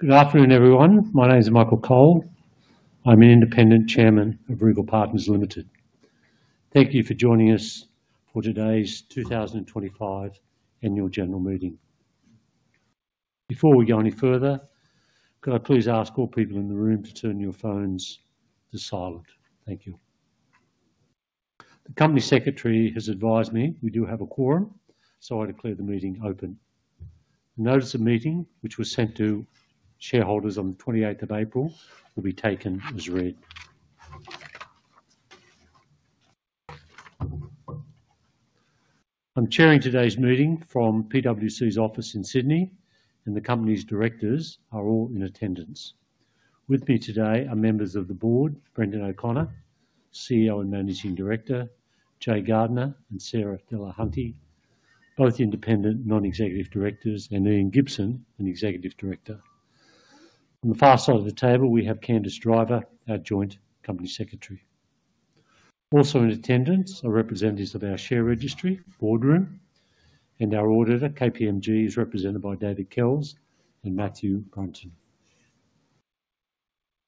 Good afternoon, everyone. My name is Michael Cole. I'm an independent chairman of Regal Partners. Thank you for joining us for today's 2025 Annual General Meeting. Before we go any further, could I please ask all people in the room to turn your phones to silent? Thank you. The Company Secretary has advised me we do have a quorum, so I declare the meeting open. The notice of meeting, which was sent to shareholders on the 28th of April, will be taken as read. I'm chairing today's meeting from PwC's office in Sydney, and the Company's directors are all in attendance. With me today are members of the board, Brendan O'Connor, CEO and Managing Director, Jaye Gardner, and Sarah Dulhunty, both independent non-executive directors, and Ian Gibson, an executive director. On the far side of the table, we have Candice Driver, our Joint Company Secretary. Also in attendance are representatives of our share registry, Boardroom, and our auditor, KPMG, is represented by David Kells and Matthew Brunton.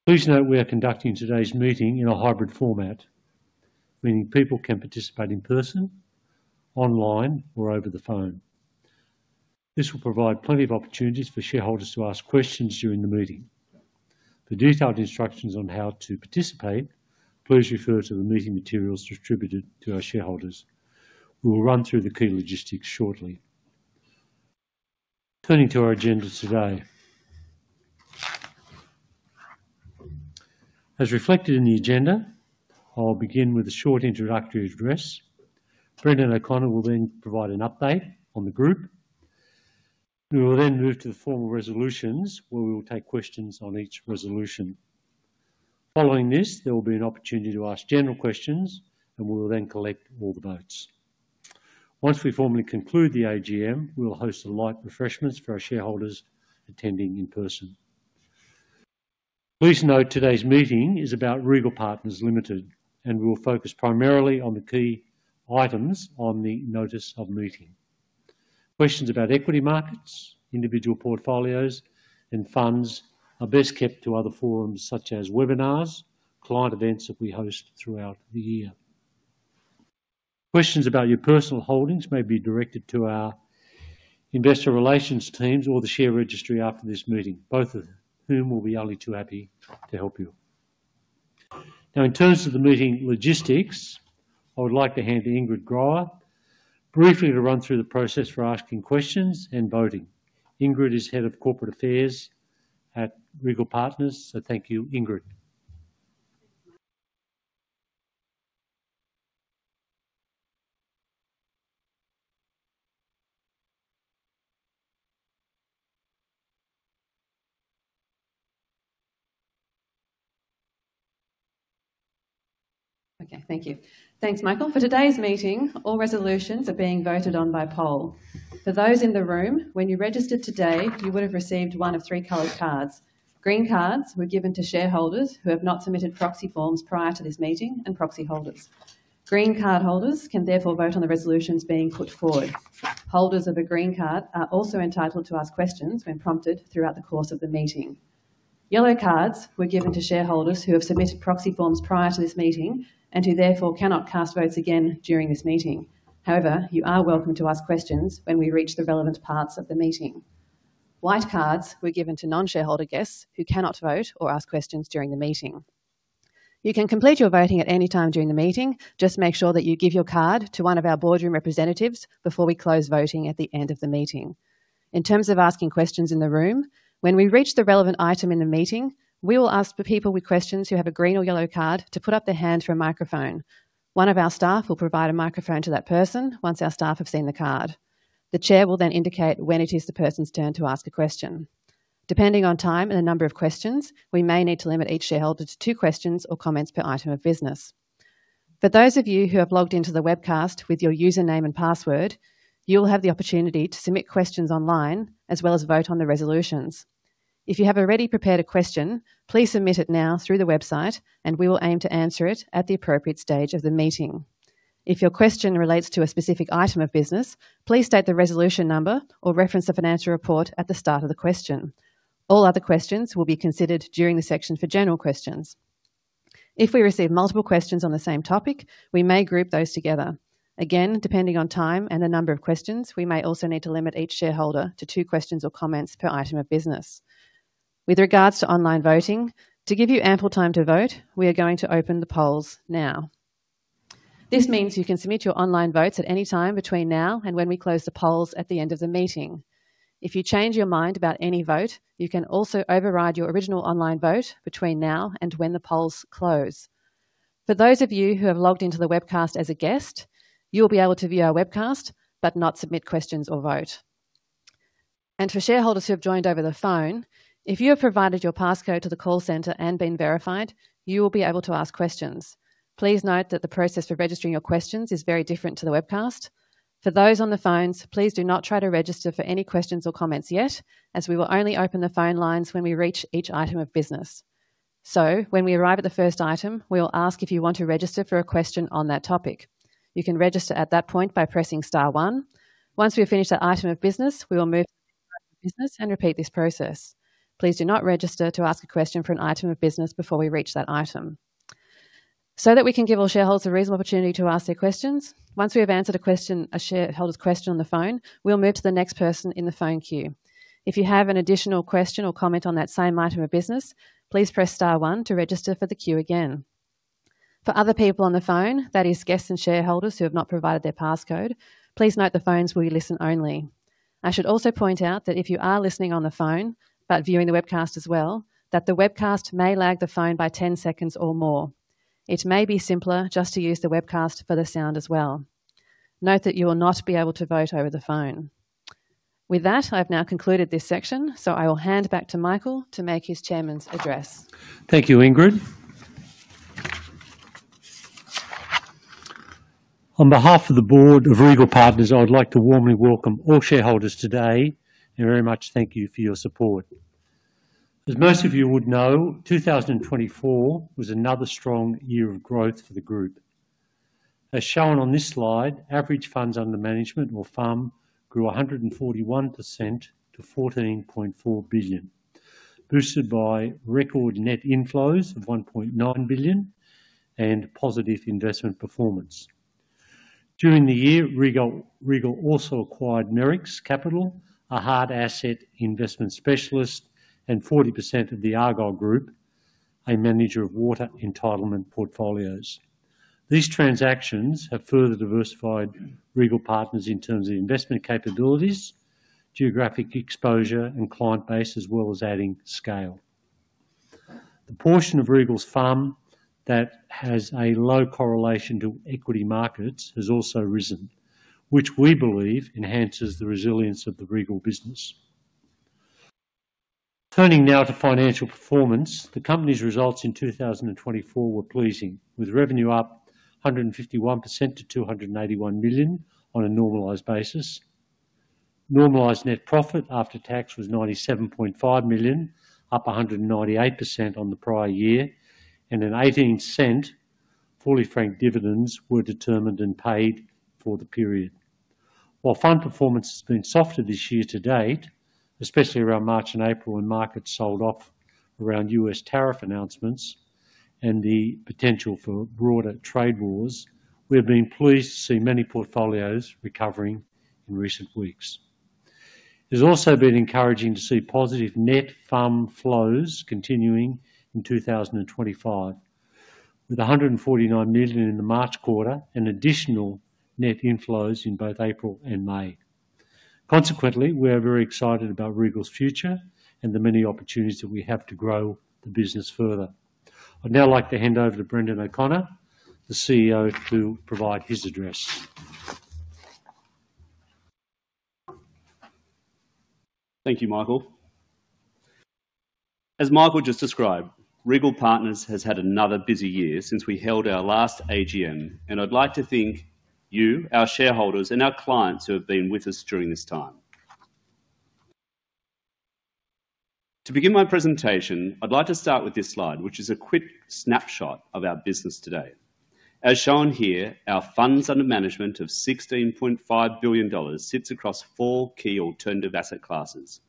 Please note we are conducting today's meeting in a hybrid format, meaning people can participate in person, online, or over the phone. This will provide plenty of opportunities for shareholders to ask questions during the meeting. For detailed instructions on how to participate, please refer to the meeting materials distributed to our shareholders. We will run through the key logistics shortly. Turning to our agenda today. As reflected in the agenda, I'll begin with a short introductory address. Brendan O'Connor will then provide an update on the group. We will then move to the formal resolutions, where we will take questions on each resolution. Following this, there will be an opportunity to ask general questions, and we will then collect all the votes. Once we formally conclude the AGM, we'll host a light refreshment for our shareholders attending in person. Please note today's meeting is about Regal Partners, and we'll focus primarily on the key items on the notice of meeting. Questions about equity markets, individual portfolios, and funds are best kept to other forums, such as webinars, client events that we host throughout the year. Questions about your personal holdings may be directed to our investor relations teams or the share registry after this meeting, both of whom will be only too happy to help you. Now, in terms of the meeting logistics, I would like to hand to Ingrid Groer briefly to run through the process for asking questions and voting. Ingrid is Head of Corporate Affairs at Regal Partners, so thank you, Ingrid. Okay, thank you. Thanks, Michael. For today's meeting, all resolutions are being voted on by poll. For those in the room, when you registered today, you would have received one of three colored cards. Green cards were given to shareholders who have not submitted proxy forms prior to this meeting and proxy holders. Green card holders can therefore vote on the resolutions being put forward. Holders of a green card are also entitled to ask questions when prompted throughout the course of the meeting. Yellow cards were given to shareholders who have submitted proxy forms prior to this meeting and who therefore cannot cast votes again during this meeting. However, you are welcome to ask questions when we reach the relevant parts of the meeting. White cards were given to non-shareholder guests who cannot vote or ask questions during the meeting. You can complete your voting at any time during the meeting. Just make sure that you give your card to one of our Boardroom representatives before we close voting at the end of the meeting. In terms of asking questions in the room, when we reach the relevant item in the meeting, we will ask for people with questions who have a green or yellow card to put up their hand for a microphone. One of our staff will provide a microphone to that person once our staff have seen the card. The Chair will then indicate when it is the person's turn to ask a question. Depending on time and the number of questions, we may need to limit each shareholder to two questions or comments per item of business. For those of you who have logged into the webcast with your username and password, you will have the opportunity to submit questions online as well as vote on the resolutions. If you have already prepared a question, please submit it now through the website, and we will aim to answer it at the appropriate stage of the meeting. If your question relates to a specific item of business, please state the resolution number or reference the financial report at the start of the question. All other questions will be considered during the section for general questions. If we receive multiple questions on the same topic, we may group those together. Again, depending on time and the number of questions, we may also need to limit each shareholder to two questions or comments per item of business. With regards to online voting, to give you ample time to vote, we are going to open the polls now. This means you can submit your online votes at any time between now and when we close the polls at the end of the meeting. If you change your mind about any vote, you can also override your original online vote between now and when the polls close. For those of you who have logged into the webcast as a guest, you will be able to view our webcast but not submit questions or vote. For shareholders who have joined over the phone, if you have provided your passcode to the call center and been verified, you will be able to ask questions. Please note that the process for registering your questions is very different to the webcast. For those on the phones, please do not try to register for any questions or comments yet, as we will only open the phone lines when we reach each item of business. When we arrive at the first item, we will ask if you want to register for a question on that topic. You can register at that point by pressing star one. Once we have finished that item of business, we will move to the next item of business and repeat this process. Please do not register to ask a question for an item of business before we reach that item. So that we can give all shareholders a reasonable opportunity to ask their questions, once we have answered a shareholder's question on the phone, we will move to the next person in the phone queue. If you have an additional question or comment on that same item of business, please press star one to register for the queue again. For other people on the phone, that is, guests and shareholders who have not provided their passcode, please note the phones will be listen only. I should also point out that if you are listening on the phone but viewing the webcast as well, that the webcast may lag the phone by 10 seconds or more. It may be simpler just to use the webcast for the sound as well. Note that you will not be able to vote over the phone. With that, I have now concluded this section, so I will hand back to Michael to make his Chairman's address. Thank you, Ingrid. On behalf of the Board of Regal Partners, I would like to warmly welcome all shareholders today, and very much thank you for your support. As most of you would know, 2024 was another strong year of growth for the group. As shown on this slide, average funds under management or FUM grew 141% to 14.4 billion, boosted by record net inflows of 1.9 billion and positive investment performance. During the year, Regal also acquired Merricks Capital, a hard asset investment specialist, and 40% of the Argyle Group, a manager of water entitlement portfolios. These transactions have further diversified Regal Partners in terms of investment capabilities, geographic exposure, and client base, as well as adding scale. The portion of Regal's FUM that has a low correlation to equity markets has also risen, which we believe enhances the resilience of the Regal business. Turning now to financial performance, the Company's results in 2024 were pleasing, with revenue up 151% to 281 million on a normalised basis. Normalised net profit after tax was 97.5 million, up 198% on the prior year, and an 18% fully franked dividend was determined and paid for the period. While fund performance has been softer this year to date, especially around March and April when markets sold off around US tariff announcements and the potential for broader trade wars, we have been pleased to see many portfolios recovering in recent weeks. It has also been encouraging to see positive net FUM flows continuing in 2025, with 149 million in the March quarter and additional net inflows in both April and May. Consequently, we are very excited about Regal's future and the many opportunities that we have to grow the business further. I'd now like to hand over to Brendan O'Connor, the CEO, to provide his address. Thank you, Michael. As Michael just described, Regal Partners has had another busy year since we held our last AGM, and I'd like to thank you, our shareholders, and our clients who have been with us during this time. To begin my presentation, I'd like to start with this slide, which is a quick snapshot of our business today. As shown here, our funds under management of 16.5 billion dollars sits across four key alternative asset classes: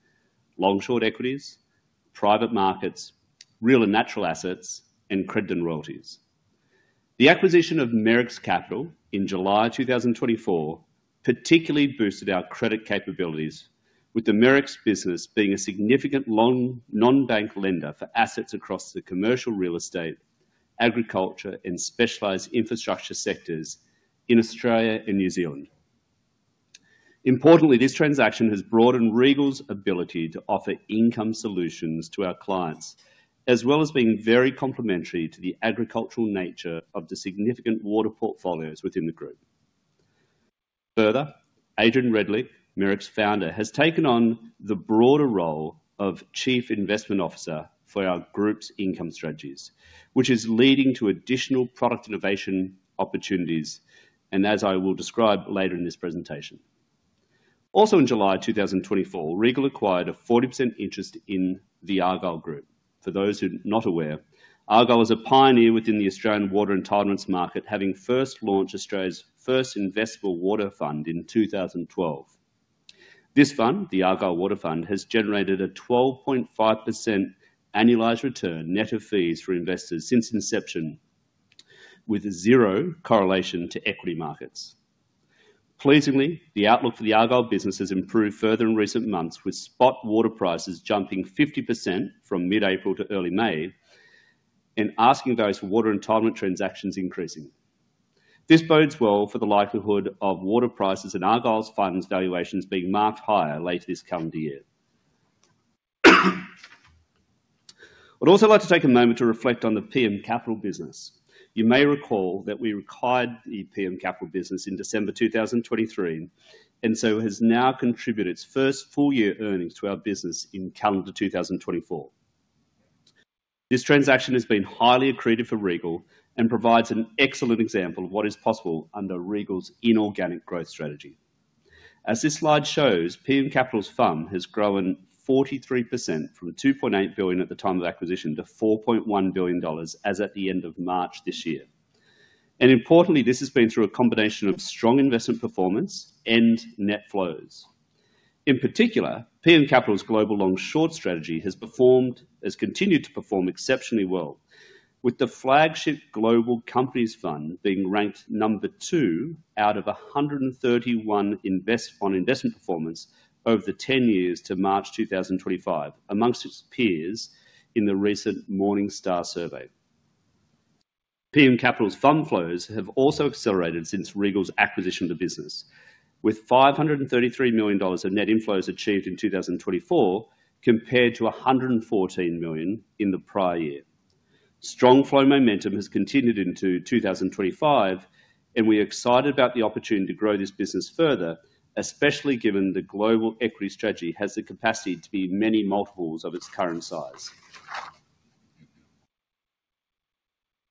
long-short equities, private markets, real and natural assets, and credit and royalties. The acquisition of Merricks Capital in July 2024 particularly boosted our credit capabilities, with the Merricks business being a significant non-bank lender for assets across the commercial real estate, agriculture, and specialised infrastructure sectors in Australia and New Zealand. Importantly, this transaction has broadened Regal's ability to offer income solutions to our clients, as well as being very complementary to the agricultural nature of the significant water portfolios within the group. Further, Adrian Redlich, Merricks Capital's founder, has taken on the broader role of Chief Investment Officer for our group's income strategies, which is leading to additional product innovation opportunities, and as I will describe later in this presentation. Also, in July 2024, Regal acquired a 40% interest in the Argyle Group. For those who are not aware, Argyle is a pioneer within the Australian water entitlements market, having first launched Australia's first investable water fund in 2012. This fund, the Argyle Water Fund, has generated a 12.5% annualized return net of fees for investors since inception, with zero correlation to equity markets. Pleasingly, the outlook for the Argyle business has improved further in recent months, with spot water prices jumping 50% from mid-April to early May and asking those for water entitlement transactions increasing. This bodes well for the likelihood of water prices and Argyle's funds valuations being marked higher later this calendar year. I'd also like to take a moment to reflect on the PM Capital business. You may recall that we acquired the PM Capital business in December 2023, and so it has now contributed its first full-year earnings to our business in calendar 2024. This transaction has been highly accredited for Regal and provides an excellent example of what is possible under Regal's inorganic growth strategy. As this slide shows, PM Capital's FUM has grown 43% from 2.8 billion at the time of acquisition to 4.1 billion dollars as at the end of March this year. Importantly, this has been through a combination of strong investment performance and net flows. In particular, PM Capital's global long-short strategy has continued to perform exceptionally well, with the flagship Global Companies Fund being ranked number two out of 131 on investment performance over the 10 years to March 2025, amongst its peers in the recent Morningstar survey. PM Capital's fund flows have also accelerated since Regal's acquisition of the business, with 533 million dollars of net inflows achieved in 2024 compared to 114 million in the prior year. Strong flow momentum has continued into 2025, and we are excited about the opportunity to grow this business further, especially given the global equity strategy has the capacity to be many multiples of its current size.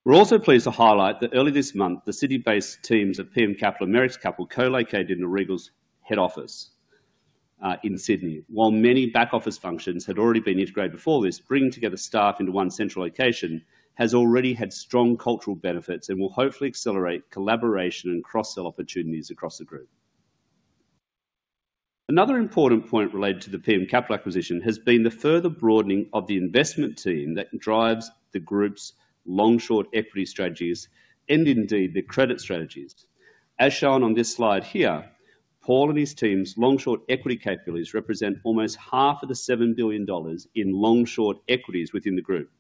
We're also pleased to highlight that early this month, the city-based teams of PM Capital and Merricks Capital co-located in Regal's head office in Sydney. While many back office functions had already been integrated before this, bringing together staff into one central location has already had strong cultural benefits and will hopefully accelerate collaboration and cross-sell opportunities across the group. Another important point related to the PM Capital acquisition has been the further broadening of the investment team that drives the group's long-short equity strategies and indeed the credit strategies. As shown on this slide here, Paul and his team's long-short equity capabilities represent almost half of the 7 billion dollars in long-short equities within the group.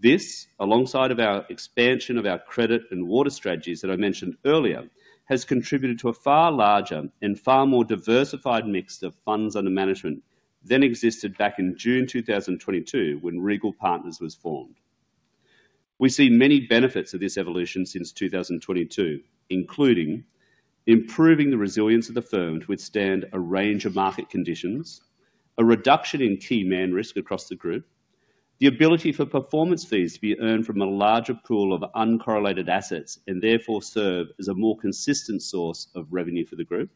This, alongside our expansion of our credit and water strategies that I mentioned earlier, has contributed to a far larger and far more diversified mix of funds under management than existed back in June 2022 when Regal Partners was formed. We see many benefits of this evolution since 2022, including improving the resilience of the firm to withstand a range of market conditions, a reduction in key man risk across the group, the ability for performance fees to be earned from a larger pool of uncorrelated assets and therefore serve as a more consistent source of revenue for the group,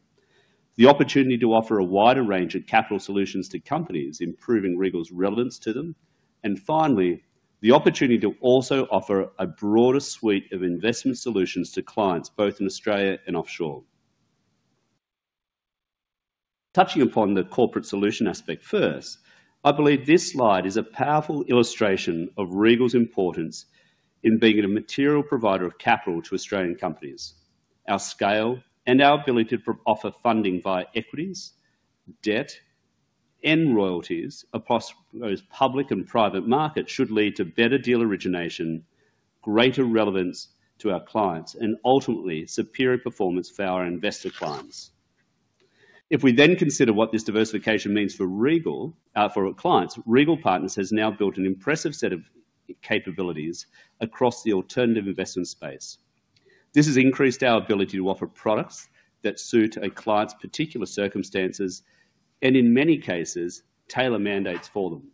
the opportunity to offer a wider range of capital solutions to companies, improving Regal's relevance to them, and finally, the opportunity to also offer a broader suite of investment solutions to clients both in Australia and offshore. Touching upon the corporate solution aspect first, I believe this slide is a powerful illustration of Regal's importance in being a material provider of capital to Australian companies. Our scale and our ability to offer funding via equities, debt, and royalties across both public and private markets should lead to better deal origination, greater relevance to our clients, and ultimately superior performance for our investor clients. If we then consider what this diversification means for Regal for clients, Regal Partners has now built an impressive set of capabilities across the alternative investment space. This has increased our ability to offer products that suit a client's particular circumstances and, in many cases, tailor mandates for them.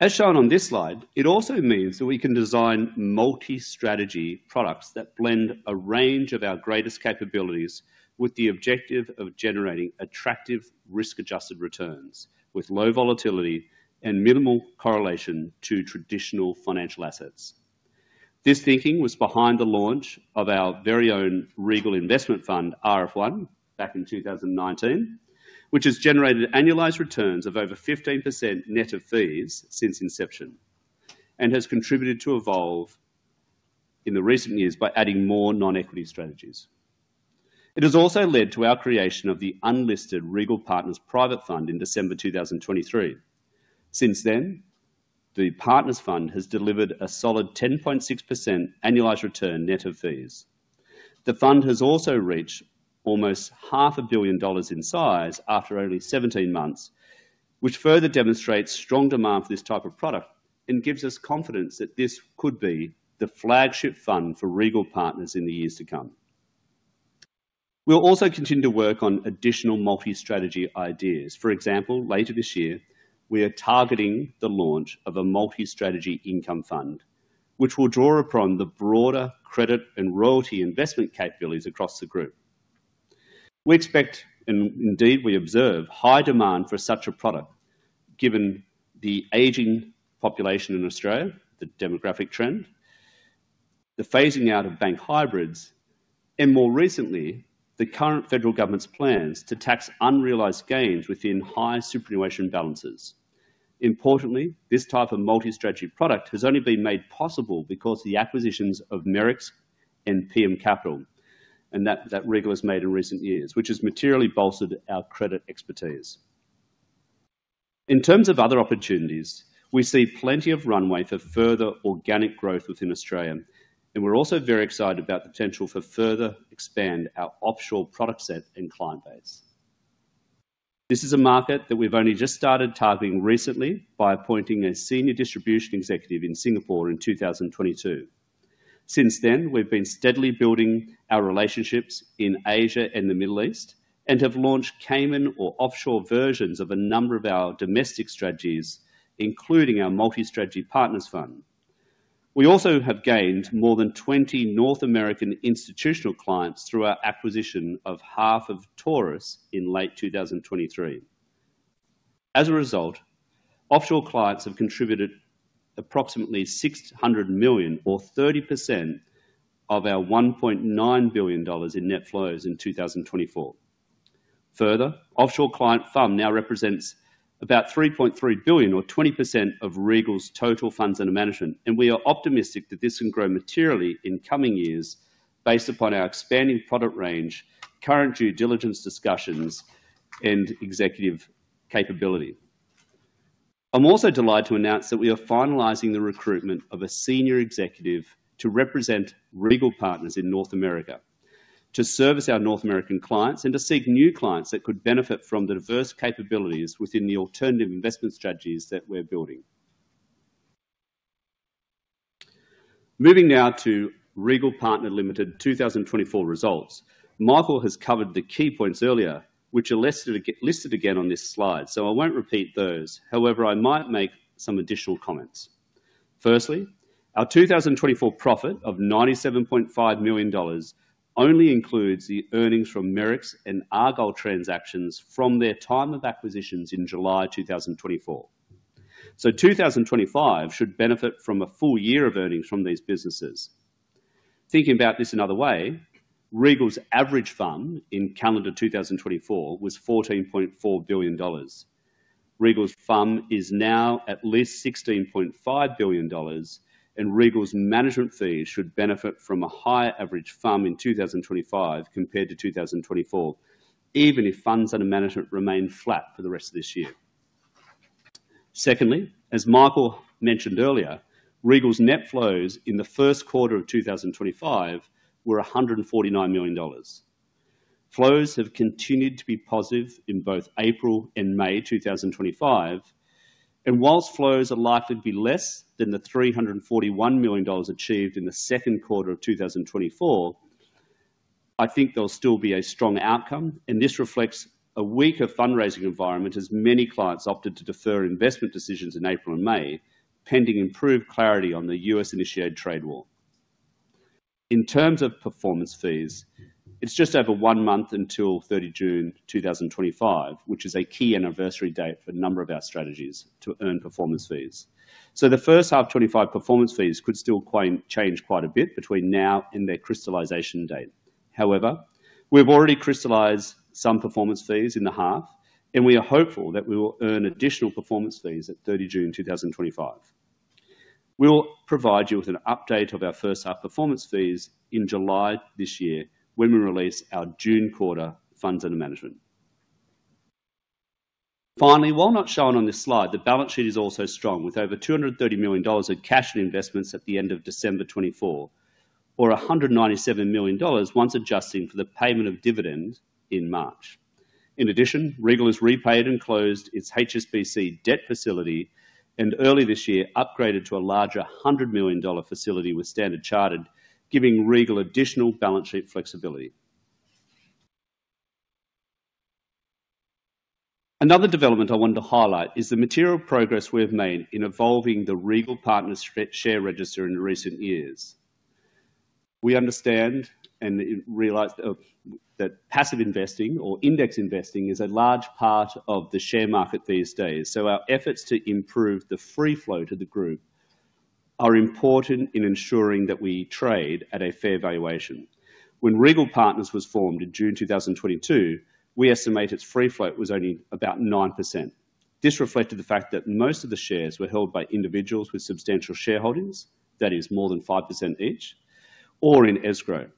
As shown on this slide, it also means that we can design multi-strategy products that blend a range of our greatest capabilities with the objective of generating attractive risk-adjusted returns with low volatility and minimal correlation to traditional financial assets. This thinking was behind the launch of our very own Regal Investment Fund, RF1, back in 2019, which has generated annualized returns of over 15% net of fees since inception and has contributed to evolve in the recent years by adding more non-equity strategies. It has also led to our creation of the unlisted Regal Partners Private Fund in December 2023. Since then, the Partners Fund has delivered a solid 10.6% annualized return net of fees. The fund has also reached almost $500,000,000 in size after only 17 months, which further demonstrates strong demand for this type of product and gives us confidence that this could be the flagship fund for Regal Partners in the years to come. We'll also continue to work on additional multi-strategy ideas. For example, later this year, we are targeting the launch of a multi-strategy income fund, which will draw upon the broader credit and royalty investment capabilities across the group. We expect, and indeed we observe, high demand for such a product given the aging population in Australia, the demographic trend, the phasing out of bank hybrids, and more recently, the current federal government's plans to tax unrealized gains within high superannuation balances. Importantly, this type of multi-strategy product has only been made possible because of the acquisitions of Merricks Capital and PM Capital that Regal has made in recent years, which has materially bolstered our credit expertise. In terms of other opportunities, we see plenty of runway for further organic growth within Australia, and we are also very excited about the potential for further expanding our offshore product set and client base. This is a market that we have only just started targeting recently by appointing a senior distribution executive in Singapore in 2022. Since then, we have been steadily building our relationships in Asia and the Middle East and have launched Cayman or offshore versions of a number of our domestic strategies, including our multi-strategy Partners Fund. We also have gained more than 20 North American institutional clients through our acquisition of half of Taurus in late 2023. As a result, offshore clients have contributed approximately 600 million, or 30% of our 1.9 billion dollars in net flows in 2024. Further, offshore client fund now represents about 3.3 billion, or 20% of Regal's total funds under management, and we are optimistic that this can grow materially in coming years based upon our expanding product range, current due diligence discussions, and executive capability. I'm also delighted to announce that we are finalizing the recruitment of a senior executive to represent Regal Partners in North America to service our North American clients and to seek new clients that could benefit from the diverse capabilities within the alternative investment strategies that we're building. Moving now to Regal Partners Limited 2024 results, Michael has covered the key points earlier, which are listed again on this slide, so I won't repeat those. However, I might make some additional comments. Firstly, our 2024 profit of 97.5 million dollars only includes the earnings from Merricks Capital and Argyle Group transactions from their time of acquisitions in July 2024. 2025 should benefit from a full year of earnings from these businesses. Thinking about this another way, Regal's average fund in calendar 2024 was 14.4 billion dollars. Regal's fund is now at least 16.5 billion dollars, and Regal's management fees should benefit from a higher average fund in 2025 compared to 2024, even if funds under management remain flat for the rest of this year. Secondly, as Michael mentioned earlier, Regal's net flows in the first quarter of 2025 were 149 million dollars. Flows have continued to be positive in both April and May 2025, and whilst flows are likely to be less than 341 million dollars achieved in the second quarter of 2024, I think there'll still be a strong outcome, and this reflects a weaker fundraising environment as many clients opted to defer investment decisions in April and May, pending improved clarity on the U.S.-initiated trade war. In terms of performance fees, it's just over one month until 30 June 2025, which is a key anniversary date for a number of our strategies to earn performance fees. The first half of 2025 performance fees could still change quite a bit between now and their crystallisation date. However, we've already crystallised some performance fees in the half, and we are hopeful that we will earn additional performance fees at 30 June 2025. We'll provide you with an update of our first half performance fees in July this year when we release our June quarter funds under management. Finally, while not shown on this slide, the balance sheet is also strong with over 230 million dollars in cash and investments at the end of December 2024, or 197 million dollars once adjusting for the payment of dividend in March. In addition, Regal has repaid and closed its HSBC debt facility and early this year upgraded to a larger 100 million dollar facility with Standard Chartered, giving Regal additional balance sheet flexibility. Another development I wanted to highlight is the material progress we have made in evolving the Regal Partners share register in recent years. We understand and realize that passive investing or index investing is a large part of the share market these days, so our efforts to improve the free float to the group are important in ensuring that we trade at a fair valuation. When Regal Partners was formed in June 2022, we estimated its free float was only about 9%. This reflected the fact that most of the shares were held by individuals with substantial shareholdings, that is, more than 5% each, or in escrow.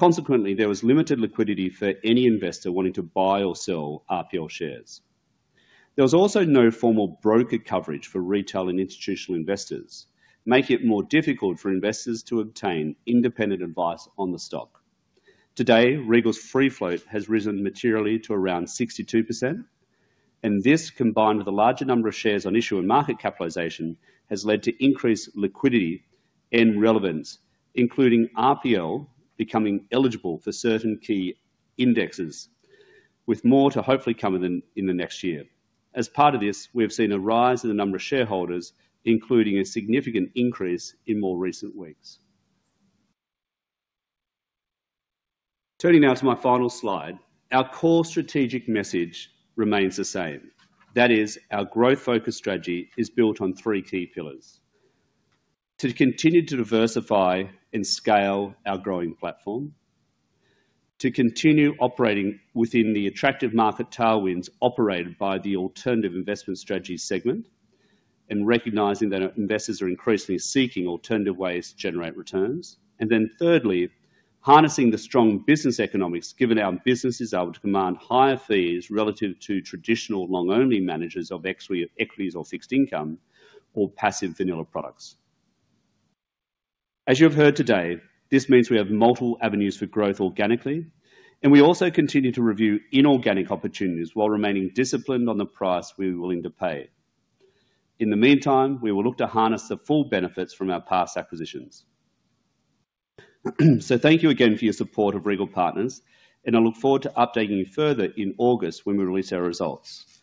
Consequently, there was limited liquidity for any investor wanting to buy or sell RPL shares. There was also no formal broker coverage for retail and institutional investors, making it more difficult for investors to obtain independent advice on the stock. Today, Regal's free float has risen materially to around 62%, and this, combined with a larger number of shares on issue and market capitalisation, has led to increased liquidity and relevance, including RPL becoming eligible for certain key indexes, with more to hopefully come in the next year. As part of this, we have seen a rise in the number of shareholders, including a significant increase in more recent weeks. Turning now to my final slide, our core strategic message remains the same. That is, our growth-focused strategy is built on three key pillars: to continue to diversify and scale our growing platform, to continue operating within the attractive market tailwinds operated by the alternative investment strategy segment, and recognizing that investors are increasingly seeking alternative ways to generate returns, and then thirdly, harnessing the strong business economics given our business is able to command higher fees relative to traditional long-only managers of equities or fixed income or passive vanilla products. As you have heard today, this means we have multiple avenues for growth organically, and we also continue to review inorganic opportunities while remaining disciplined on the price we are willing to pay. In the meantime, we will look to harness the full benefits from our past acquisitions. Thank you again for your support of Regal Partners, and I look forward to updating you further in August when we release our results.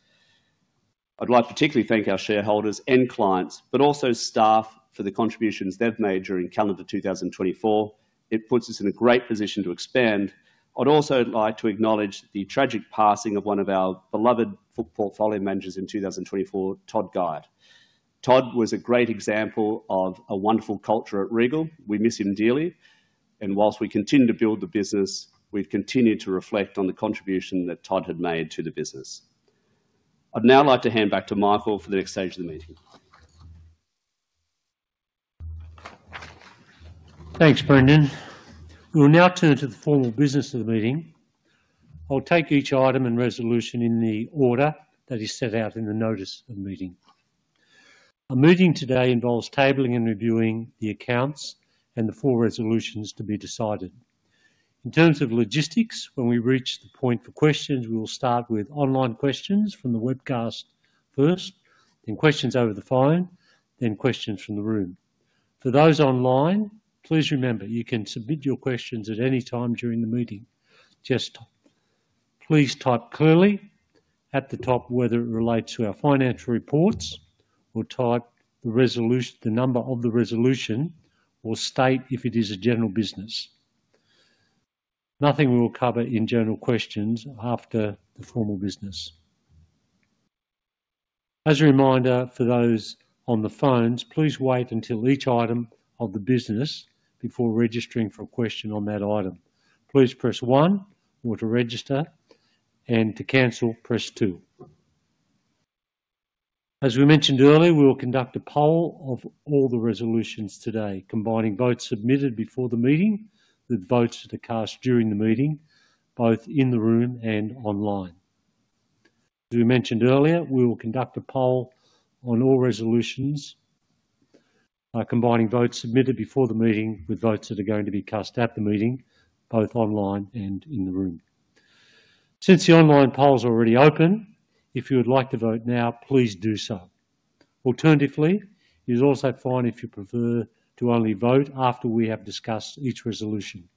I'd like to particularly thank our shareholders and clients, but also staff for the contributions they've made during calendar 2024. It puts us in a great position to expand. I'd also like to acknowledge the tragic passing of one of our beloved portfolio managers in 2024, Todd Guyot. Todd was a great example of a wonderful culture at Regal. We miss him dearly, and whilst we continue to build the business, we've continued to reflect on the contribution that Todd had made to the business. I'd now like to hand back to Michael for the next stage of the meeting. Thanks, Brendan. We will now turn to the formal business of the meeting. I'll take each item and resolution in the order that is set out in the notice of meeting. Our meeting today involves tabling and reviewing the accounts and the four resolutions to be decided. In terms of logistics, when we reach the point for questions, we will start with online questions from the webcast first, then questions over the phone, then questions from the room. For those online, please remember you can submit your questions at any time during the meeting. Just please type clearly at the top whether it relates to our financial reports or type the number of the resolution or state if it is a general business. Nothing we will cover in general questions after the formal business. As a reminder, for those on the phones, please wait until each item of the business before registering for a question on that item. Please press one to register, and to cancel, press two. As we mentioned earlier, we will conduct a poll of all the resolutions today, combining votes submitted before the meeting with votes that are cast during the meeting, both in the room and online. Since the online poll is already open, if you would like to vote now, please do so. Alternatively, it is also fine if you prefer to only vote after we have discussed each resolution.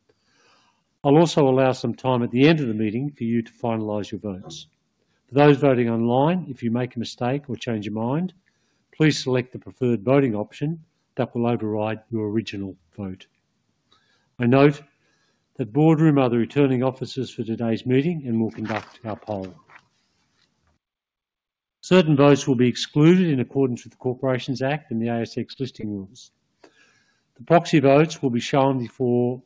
I'll also allow some time at the end of the meeting for you to finalize your votes. For those voting online, if you make a mistake or change your mind, please select the preferred voting option that will override your original vote. I note that Boardroom are the returning officers for today's meeting and will conduct our poll. Certain votes will be excluded in accordance with the Corporations Act and the ASX Listing Rules. The proxy votes will be shown before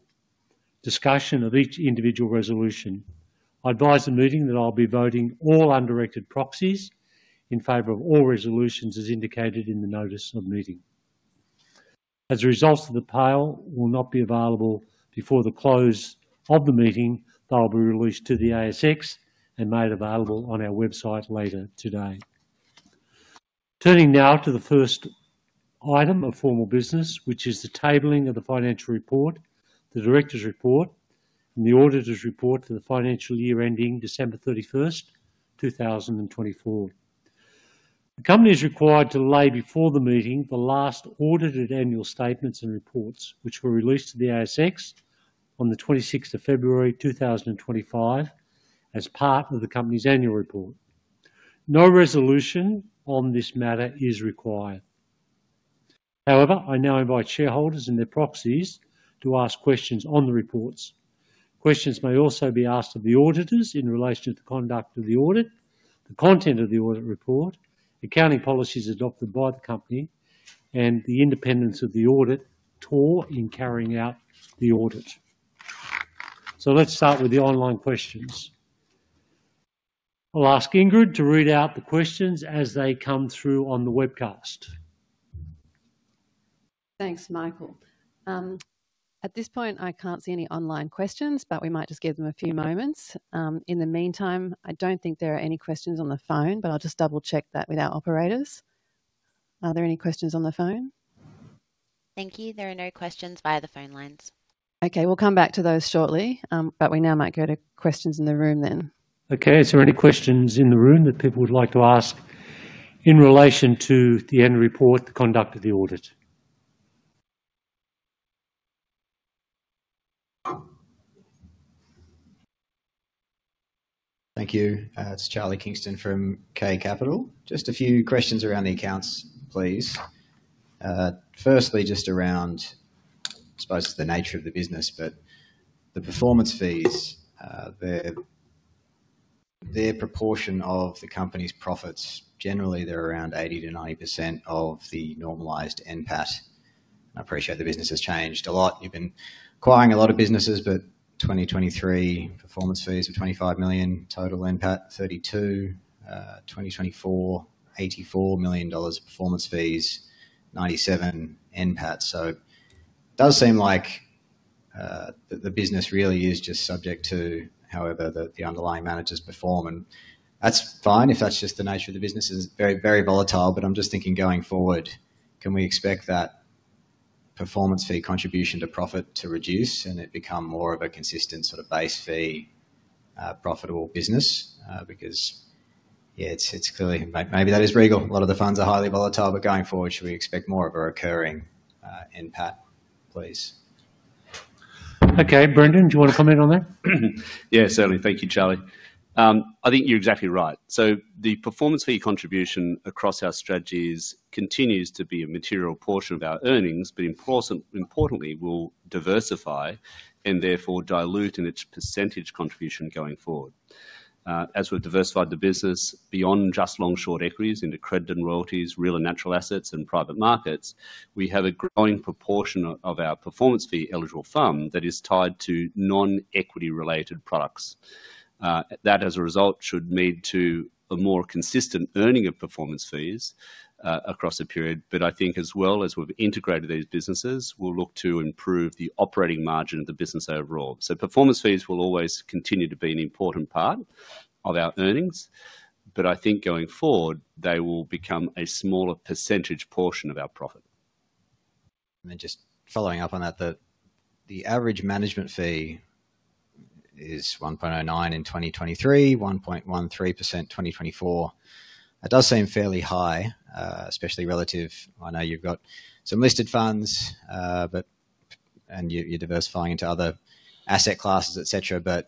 discussion of each individual resolution. I advise the meeting that I'll be voting all undirected proxies in favor of all resolutions as indicated in the notice of meeting. As a result, the poll will not be available before the close of the meeting. They'll be released to the ASX and made available on our website later today. Turning now to the first item of formal business, which is the tabling of the financial report, the director's report, and the auditor's report for the financial year ending December 31, 2024. The company is required to lay before the meeting the last audited annual statements and reports, which were released to the ASX on February 26, 2025, as part of the company's annual report. No resolution on this matter is required. However, I now invite shareholders and their proxies to ask questions on the reports. Questions may also be asked of the auditors in relation to the conduct of the audit, the content of the audit report, accounting policies adopted by the company, and the independence of the auditor in carrying out the audit. Let's start with the online questions. I'll ask Ingrid to read out the questions as they come through on the webcast. Thanks, Michael. At this point, I can't see any online questions, but we might just give them a few moments. In the meantime, I don't think there are any questions on the phone, but I'll just double-check that with our operators. Are there any questions on the phone? Thank you. There are no questions via the phone lines. Okay, we'll come back to those shortly, but we now might go to questions in the room then. Okay, is there any questions in the room that people would like to ask in relation to the annual report, the conduct of the audit? Thank you. It's Charlie Kingston from K Capital. Just a few questions around the accounts, please. Firstly, just around, I suppose, the nature of the business, but the performance fees, their proportion of the company's profits, generally they're around 80-90% of the normalised NPAT. I appreciate the business has changed a lot. You've been acquiring a lot of businesses, but 2023 performance fees of 25 million, total NPAT 32 million, 2024, AUD 84 million performance fees, 97 million NPAT. It does seem like the business really is just subject to however the underlying managers perform. That's fine if that's just the nature of the business. It's very, very volatile, but I'm just thinking going forward, can we expect that performance fee contribution to profit to reduce and it become more of a consistent sort of base fee profitable business? Because, yeah, it's clearly maybe that is Regal. A lot of the funds are highly volatile, but going forward, should we expect more of a recurring NPAT, please? Okay, Brendan, do you want to comment on that? Yeah, certainly. Thank you, Charlie. I think you're exactly right. The performance fee contribution across our strategies continues to be a material portion of our earnings, but importantly, we will diversify and therefore dilute in its percentage contribution going forward. As we have diversified the business beyond just long-short equities into credit and royalties, real and natural assets, and private markets, we have a growing proportion of our performance fee eligible fund that is tied to non-equity-related products. That, as a result, should lead to a more consistent earning of performance fees across a period. I think as well as we have integrated these businesses, we will look to improve the operating margin of the business overall. Performance fees will always continue to be an important part of our earnings, but I think going forward, they will become a smaller percentage portion of our profit. Just following up on that, the average management fee is 1.09% in 2023, 1.13% in 2024. It does seem fairly high, especially relative. I know you've got some listed funds, and you're diversifying into other asset classes, etc.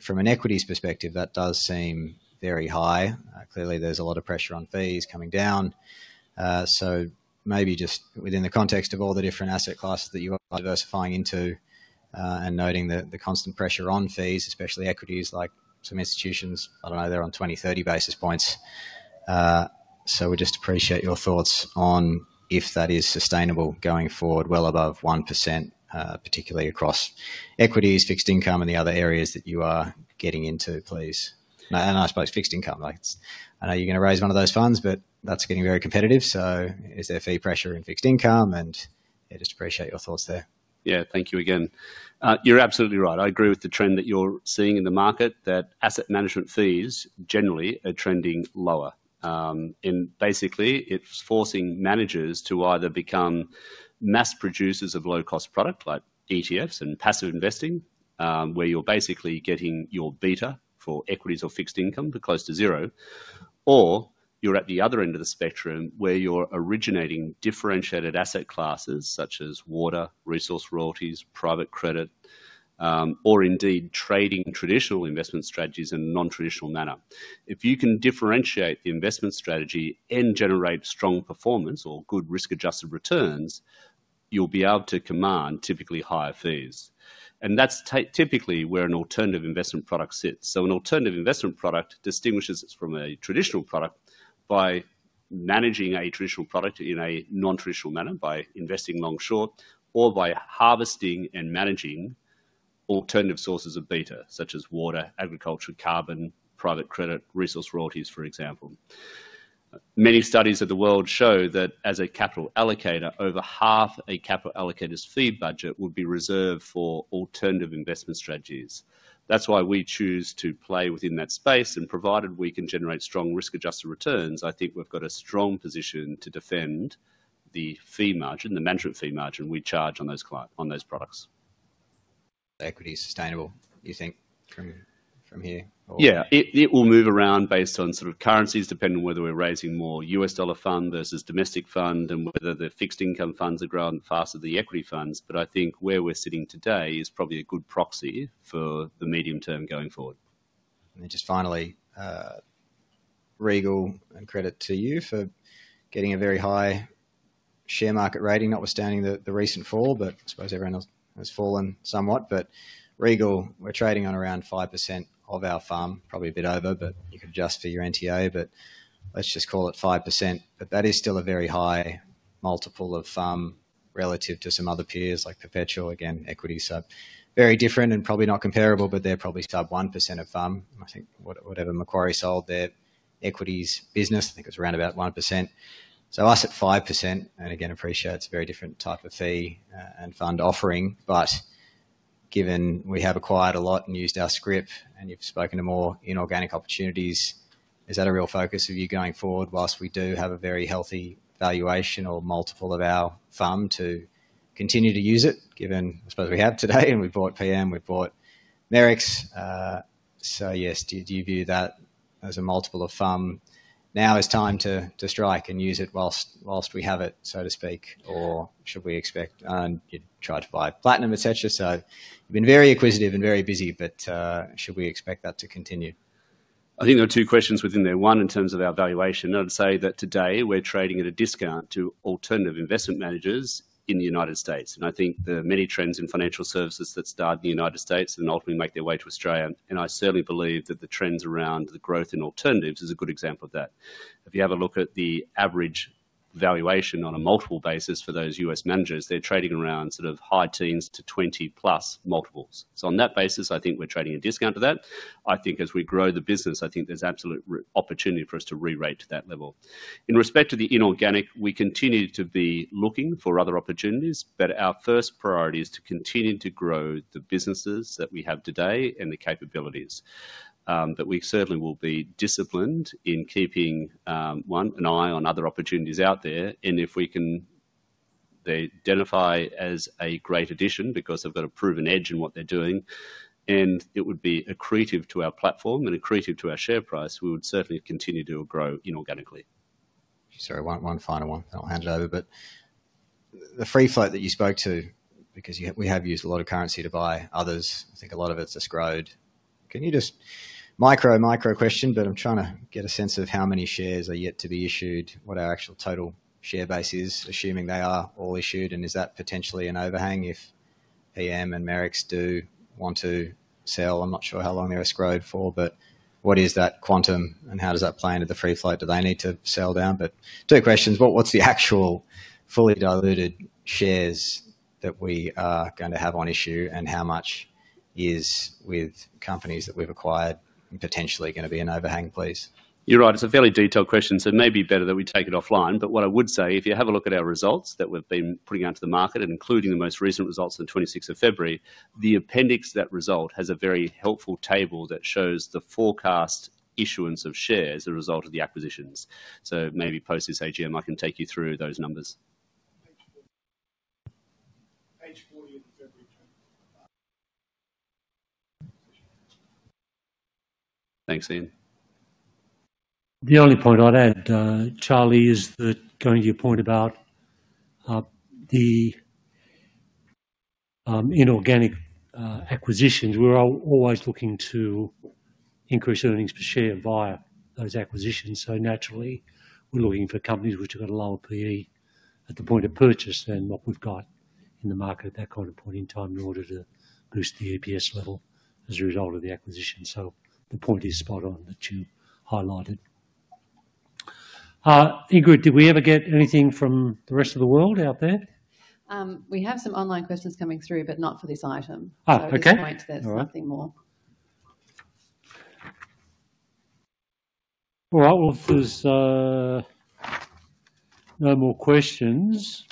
From an equities perspective, that does seem very high. Clearly, there's a lot of pressure on fees coming down. Maybe just within the context of all the different asset classes that you are diversifying into and noting the constant pressure on fees, especially equities like some institutions, I don't know, they're on 20-30 basis points. We just appreciate your thoughts on if that is sustainable going forward, well above 1%, particularly across equities, fixed income, and the other areas that you are getting into, please. I suppose fixed income. I know you're going to raise one of those funds, but that's getting very competitive. Is there fee pressure in fixed income? Yeah, just appreciate your thoughts there. Yeah, thank you again. You're absolutely right. I agree with the trend that you're seeing in the market, that asset management fees generally are trending lower. Basically, it's forcing managers to either become mass producers of low-cost products like ETFs and passive investing, where you're basically getting your beta for equities or fixed income close to zero, or you're at the other end of the spectrum where you're originating differentiated asset classes such as water, resource royalties, private credit, or indeed trading traditional investment strategies in a non-traditional manner. If you can differentiate the investment strategy and generate strong performance or good risk-adjusted returns, you'll be able to command typically higher fees. That's typically where an alternative investment product sits. An alternative investment product distinguishes it from a traditional product by managing a traditional product in a non-traditional manner, by investing long-short, or by harvesting and managing alternative sources of beta, such as water, agriculture, carbon, private credit, resource royalties, for example. Many studies of the world show that as a capital allocator, over half a capital allocator's fee budget would be reserved for alternative investment strategies. That is why we choose to play within that space. Provided we can generate strong risk-adjusted returns, I think we have got a strong position to defend the fee margin, the management fee margin we charge on those products. Equity is sustainable, you think, from here? Yeah, it will move around based on sort of currencies, depending on whether we are raising more US dollar fund versus domestic fund and whether the fixed income funds are growing faster than the equity funds. I think where we're sitting today is probably a good proxy for the medium term going forward. Just finally, Regal, and credit to you for getting a very high share market rating, notwithstanding the recent fall, but I suppose everyone else has fallen somewhat. Regal, we're trading on around 5% of our fund, probably a bit over, but you can adjust for your NTA, but let's just call it 5%. That is still a very high multiple of fund relative to some other peers like Perpetual, again, equity. Very different and probably not comparable, but they're probably sub 1% of fund. I think whatever Macquarie sold their equities business, I think it was around about 1%. Us at 5%, and again, appreciate it's a very different type of fee and fund offering. Given we have acquired a lot and used our script, and you've spoken to more inorganic opportunities, is that a real focus of you going forward whilst we do have a very healthy valuation or multiple of our fund to continue to use it, given I suppose we have today and we've bought PM Capital, we've bought Merricks Capital? Yes, do you view that as a multiple of fund? Now is time to strike and use it whilst we have it, so to speak, or should we expect you tried to buy Platinum, etc.? You've been very inquisitive and very busy, but should we expect that to continue? I think there are two questions within there. One, in terms of our valuation, I'd say that today we're trading at a discount to alternative investment managers in the United States. I think the many trends in financial services that start in the U.S. and ultimately make their way to Australia. I certainly believe that the trends around the growth in alternatives is a good example of that. If you have a look at the average valuation on a multiple basis for those U.S. managers, they're trading around sort of high teens to 20-plus multiples. On that basis, I think we're trading at a discount to that. I think as we grow the business, there's absolute opportunity for us to re-rate to that level. In respect to the inorganic, we continue to be looking for other opportunities. Our first priority is to continue to grow the businesses that we have today and the capabilities. We certainly will be disciplined in keeping an eye on other opportunities out there. If we can identify as a great addition because they've got a proven edge in what they're doing, and it would be accretive to our platform and accretive to our share price, we would certainly continue to grow inorganically. Sorry, one final one. I'll hand it over. The free float that you spoke to, because we have used a lot of currency to buy others, I think a lot of it's escrowed. Can you just, micro, micro question, but I'm trying to get a sense of how many shares are yet to be issued, what our actual total share base is, assuming they are all issued, and is that potentially an overhang if PM and Merrick's do want to sell? I'm not sure how long they're escrowed for, but what is that quantum and how does that play into the free float? Do they need to sell down? Two questions. What's the actual fully diluted shares that we are going to have on issue, and how much is with companies that we've acquired potentially going to be an overhang, please? You're right. It's a very detailed question, so it may be better that we take it offline. What I would say, if you have a look at our results that we've been putting out to the market and including the most recent results on the 26th of February, the appendix to that result has a very helpful table that shows the forecast issuance of shares as a result of the acquisitions. Maybe post this AGM, I can take you through those numbers. Thanks, Dan. The only point I'd add, Charlie, is that going to your point about the inorganic acquisitions, we're always looking to increase earnings per share via those acquisitions. So naturally, we're looking for companies which have got a lower PE at the point of purchase than what we've got in the market at that kind of point in time in order to boost the EPS level as a result of the acquisition. The point is spot on that you highlighted. Ingrid, did we ever get anything from the rest of the world out there? We have some online questions coming through, but not for this item. At this point, there's nothing more. All right, if there's no more questions,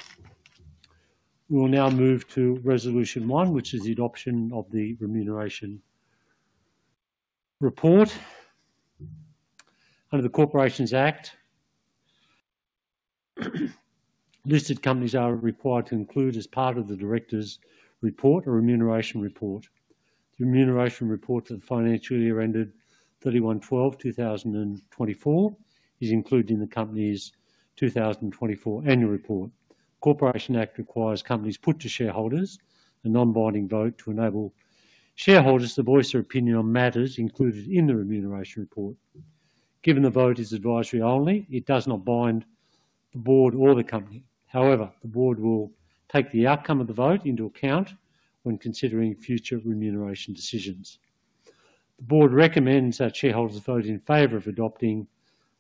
we'll now move to resolution one, which is the adoption of the remuneration report. Under the Corporations Act, listed companies are required to include as part of the directors' report a remuneration report. The remuneration report for the financial year ended 31 December 2024 is included in the company's 2024 annual report. The Corporations Act requires companies put to shareholders a non-binding vote to enable shareholders to voice their opinion on matters included in the remuneration report. Given the vote is advisory only, it does not bind the board or the company. However, the board will take the outcome of the vote into account when considering future remuneration decisions. The board recommends that shareholders vote in favor of adopting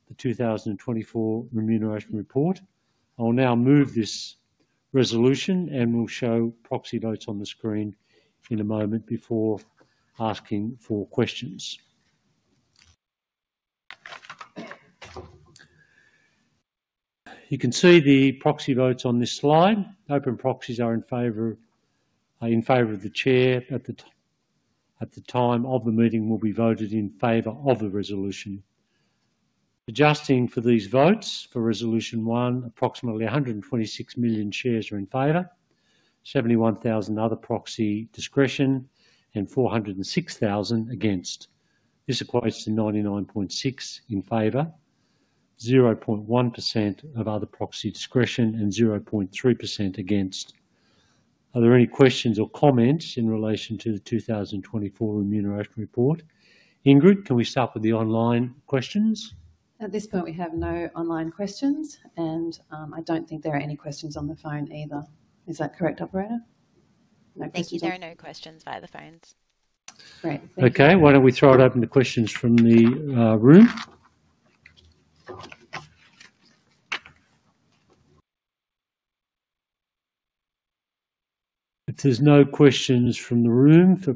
the 2024 remuneration report. I'll now move this resolution, and we'll show proxy votes on the screen in a moment before asking for questions. You can see the proxy votes on this slide. Open proxies are in favor of the chair at the time of the meeting will be voted in favor of the resolution. Adjusting for these votes for resolution one, approximately 126 million shares are in favor, 71,000 other proxy discretion, and 406,000 against. This equates to 99.6% in favor, 0.1% of other proxy discretion, and 0.3% against. Are there any questions or comments in relation to the 2024 remuneration report? Ingrid, can we start with the online questions? At this point, we have no online questions, and I do not think there are any questions on the phone either. Is that correct, Operator? No questions. Thank you. There are no questions via the phones. Great. Okay, why do we not throw it open to questions from the room? If there are no questions from the room, for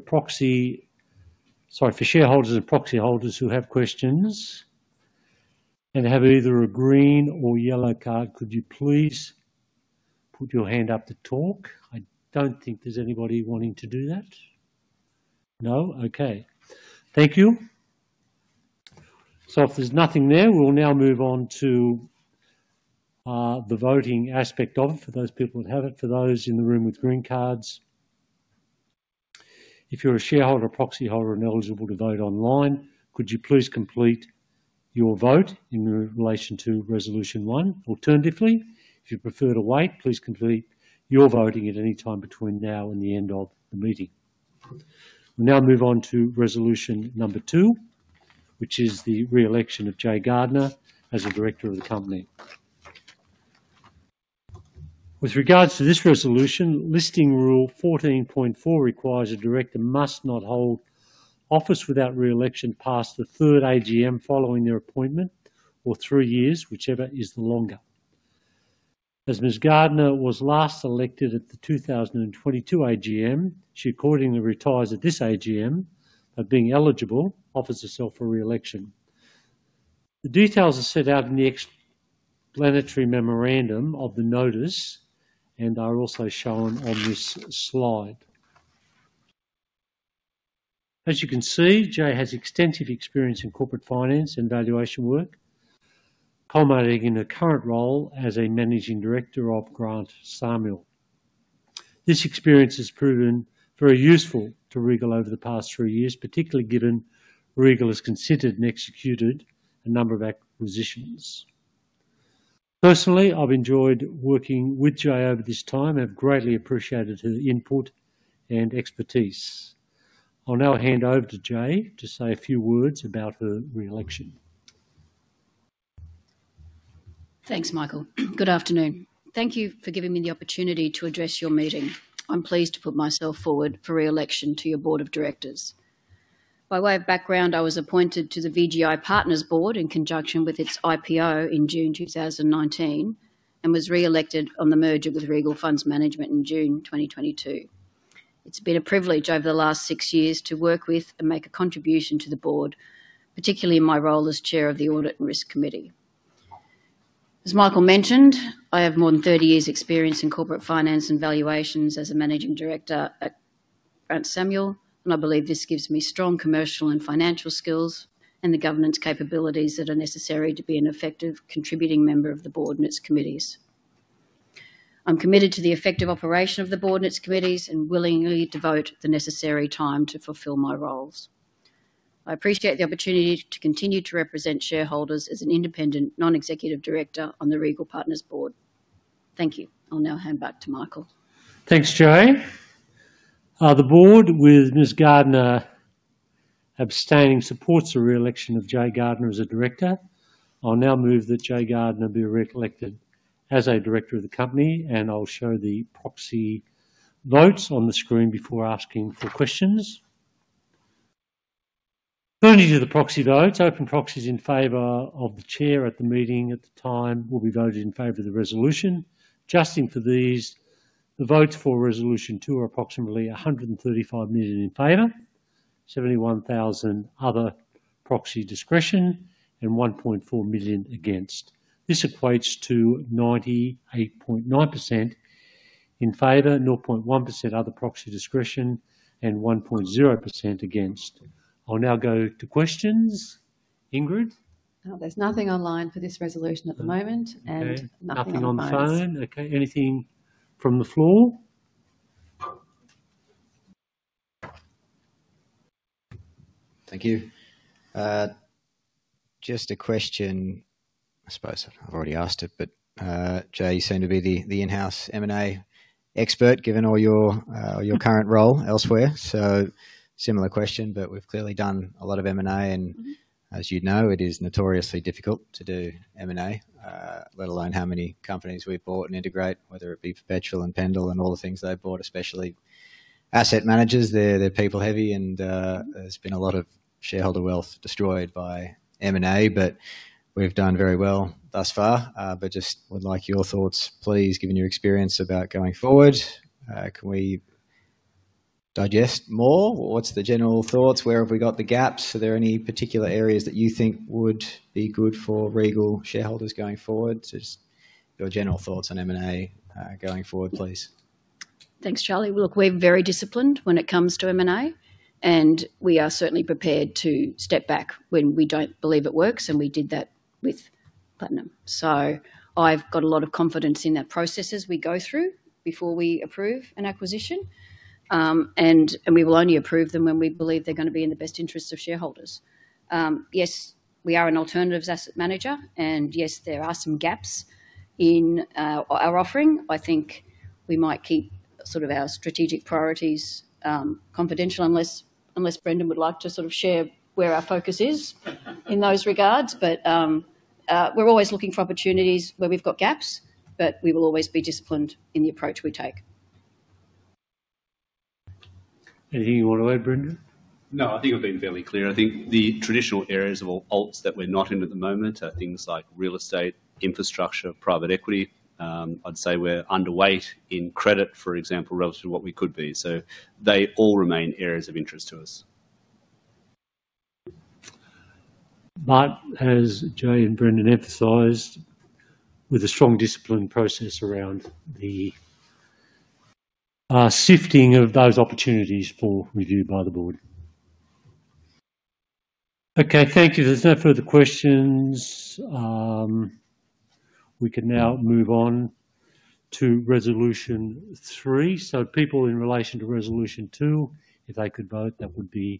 shareholders and proxy holders who have questions and have either a green or yellow card, could you please put your hand up to talk? I do not think there is anybody wanting to do that. No? Okay. Thank you. If there's nothing there, we'll now move on to the voting aspect of it for those people that have it. For those in the room with green cards, if you're a shareholder or proxy holder and eligible to vote online, could you please complete your vote in relation to resolution one? Alternatively, if you prefer to wait, please complete your voting at any time between now and the end of the meeting. We'll now move on to resolution number two, which is the re-election of Jaye Gardner as a director of the company. With regards to this resolution, listing rule 14.4 requires a director must not hold office without re-election past the third AGM following their appointment or three years, whichever is the longer. As Mr. Gardner was last elected at the 2022 AGM, he accordingly retires at this AGM, but being eligible, offers himself for re-election. The details are set out in the explanatory memorandum of the notice, and are also shown on this slide. As you can see, Jaye has extensive experience in corporate finance and valuation work, culminating in her current role as a managing director of Grant Samuel. This experience has proven very useful to Regal over the past three years, particularly given Regal has considered and executed a number of acquisitions. Personally, I've enjoyed working with Jaye over this time and have greatly appreciated her input and expertise. I'll now hand over to Jaye to say a few words about her re-election. Thanks, Michael. Good afternoon. Thank you for giving me the opportunity to address your meeting. I'm pleased to put myself forward for re-election to your board of directors. By way of background, I was appointed to the VGI Partners Board in conjunction with its IPO in June 2019 and was re-elected on the merger with Regal Funds Management in June 2022. It's been a privilege over the last six years to work with and make a contribution to the board, particularly in my role as Chair of the Audit and Risk Committee. As Michael mentioned, I have more than 30 years' experience in corporate finance and valuations as a Managing Director at Grant Samuel, and I believe this gives me strong commercial and financial skills and the governance capabilities that are necessary to be an effective contributing member of the board and its committees. I'm committed to the effective operation of the board and its committees and willingly devote the necessary time to fulfill my roles. I appreciate the opportunity to continue to represent shareholders as an independent, non-executive director on the Regal Partners Board. Thank you. I'll now hand back to Michael. Thanks, Joe. The Board, with Ms. Gardner abstaining, supports the re-election of Jaye Gardner as a director. I'll now move that Jaye Gardner be re-elected as a director of the company, and I'll show the proxy votes on the screen before asking for questions. Turning to the proxy votes, open proxies in favor of the Chair at the meeting at the time will be voted in favor of the resolution. Adjusting for these, the votes for resolution two are approximately 135 million in favor, 71,000 other proxy discretion, and 1.4 million against. This equates to 98.9% in favor, 0.1% other proxy discretion, and 1.0% against. I'll now go to questions. Ingrid? There's nothing online for this resolution at the moment. Nothing on the phone. Okay. Anything from the floor? Thank you. Just a question. I suppose I've already asked it, but Jaye seemed to be the in-house M&A expert given all your current role elsewhere. Similar question, but we've clearly done a lot of M&A, and as you know, it is notoriously difficult to do M&A, let alone how many companies we bought and integrate, whether it be Perpetual and Pendle and all the things they bought, especially asset managers. They're people-heavy, and there's been a lot of shareholder wealth destroyed by M&A, but we've done very well thus far. Just would like your thoughts, please, given your experience about going forward. Can we digest more? What's the general thoughts? Where have we got the gaps? Are there any particular areas that you think would be good for Regal shareholders going forward? Just your general thoughts on M&A going forward, please. Thanks, Charlie. Look, we're very disciplined when it comes to M&A, and we are certainly prepared to step back when we don't believe it works, and we did that with Platinum. I have got a lot of confidence in that process as we go through before we approve an acquisition, and we will only approve them when we believe they're going to be in the best interests of shareholders. Yes, we are an alternative asset manager, and yes, there are some gaps in our offering. I think we might keep sort of our strategic priorities confidential unless Brendan would like to sort of share where our focus is in those regards. We are always looking for opportunities where we have got gaps, but we will always be disciplined in the approach we take. Anything you want to add, Brendan? No, I think I've been fairly clear. I think the traditional areas of alts that we're not in at the moment are things like real estate, infrastructure, private equity. I'd say we're underweight in credit, for example, relative to what we could be. They all remain areas of interest to us. As Jaye and Brendan emphasised, with a strong discipline process around the sifting of those opportunities for review by the board. Okay, thank you. There's no further questions. We can now move on to resolution three. People in relation to resolution two, if they could vote, that would be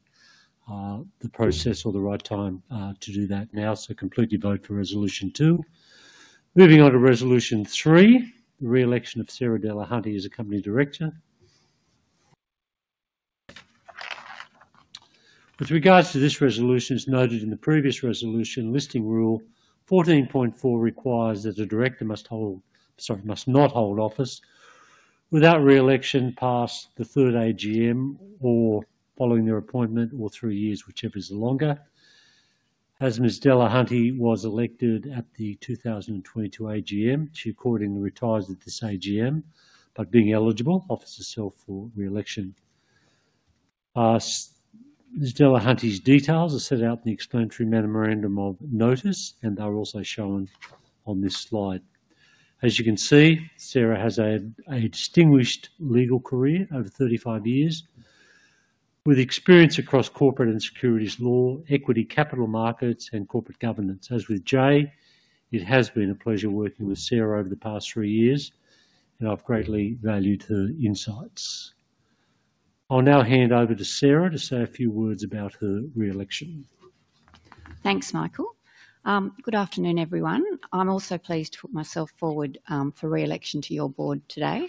the process or the right time to do that now. Completely vote for resolution two. Moving on to resolution three, the re-election of Sarah Dulhunty as a company director. With regards to this resolution, as noted in the previous resolution, listing rule 14.4 requires that a director must not hold office without re-election past the third AGM or following their appointment or three years, whichever is the longer. As Ms. Della Hunte was elected at the 2022 AGM, she accordingly retires at this AGM but, being eligible, offers herself for re-election. Ms. Della Hunte's details are set out in the explanatory memorandum of notice, and they're also shown on this slide. As you can see, Sarah has a distinguished legal career over 35 years with experience across corporate and securities law, equity, capital markets, and corporate governance. As with Jaye, it has been a pleasure working with Sarah over the past three years, and I've greatly valued her insights. I'll now hand over to Sarah to say a few words about her re-election. Thanks, Michael. Good afternoon, everyone. I'm also pleased to put myself forward for re-election to your board today.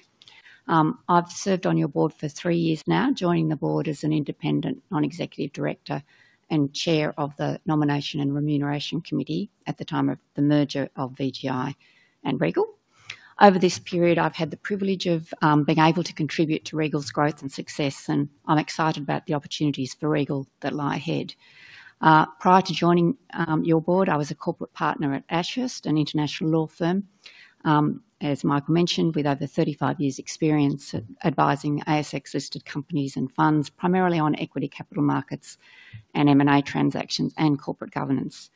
I've served on your board for three years now, joining the board as an independent, non-executive director and Chair of the Nomination and Remuneration Committee at the time of the merger of VGI and Regal. Over this period, I've had the privilege of being able to contribute to Regal's growth and success, and I'm excited about the opportunities for Regal that lie ahead. Prior to joining your board, I was a corporate partner at Ashurst, an international law firm, as Michael mentioned, with over 35 years' experience advising ASX-listed companies and funds, primarily on equity, capital markets, and M&A transactions and corporate governance.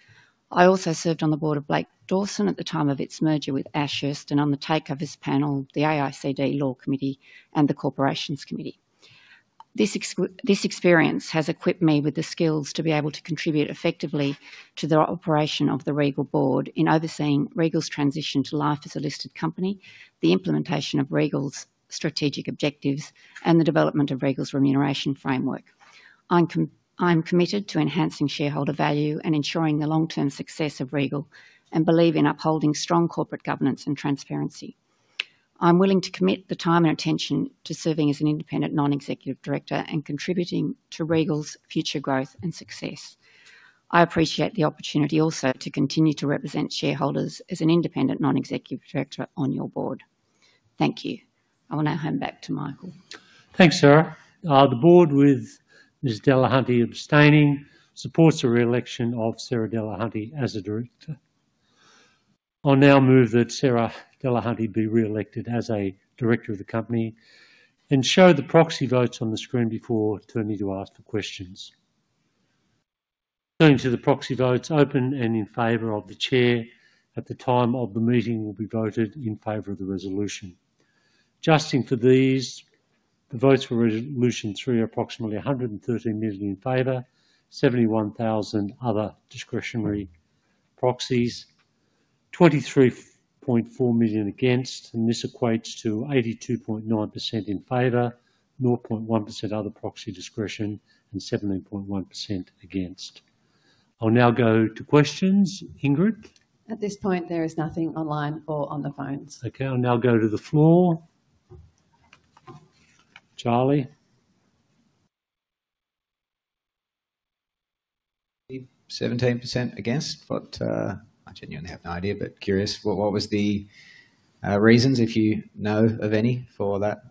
I also served on the board of Blake Dawson at the time of its merger with Ashurst and on the Takeovers Panel, the AICD Law Committee and the Corporations Committee. This experience has equipped me with the skills to be able to contribute effectively to the operation of the Regal board in overseeing Regal's transition to life as a listed company, the implementation of Regal's strategic objectives, and the development of Regal's remuneration framework. I'm committed to enhancing shareholder value and ensuring the long-term success of Regal and believe in upholding strong corporate governance and transparency. I'm willing to commit the time and attention to serving as an independent, non-executive director and contributing to Regal's future growth and success. I appreciate the opportunity also to continue to represent shareholders as an independent, non-executive director on your board. Thank you. I will now hand back to Michael. Thanks, Sarah. The board, with Ms. Della Hunte abstaining, supports the re-election of Sarah Della Hunte as a director. I'll now move that Sarah Dulhunty be re-elected as a director of the company and show the proxy votes on the screen before turning to ask for questions. Turning to the proxy votes, open and in favor of the chair at the time of the meeting will be voted in favor of the resolution. Adjusting for these, the votes for resolution three are approximately 113 million in favor, 71,000 other discretionary proxies, 23.4 million against, and this equates to 82.9% in favor, 0.1% other proxy discretion, and 17.1% against. I'll now go to questions. Ingrid? At this point, there is nothing online or on the phones. Okay. I'll now go to the floor. Charlie? 17% against, but I genuinely have no idea, but curious what was the reasons, if you know of any, for that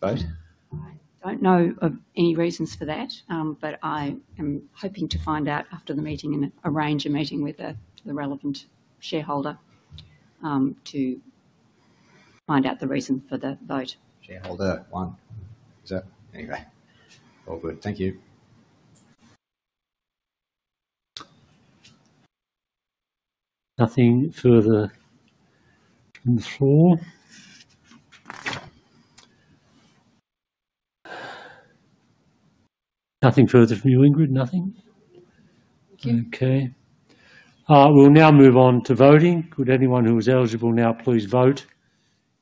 vote? I don't know of any reasons for that, but I am hoping to find out after the meeting and arrange a meeting with the relevant shareholder to find out the reason for the vote. Shareholder one. Is that anyway? All good. Thank you. Nothing further from the floor. Nothing further from you, Ingrid? Nothing? Okay. We'll now move on to voting. Could anyone who is eligible now please vote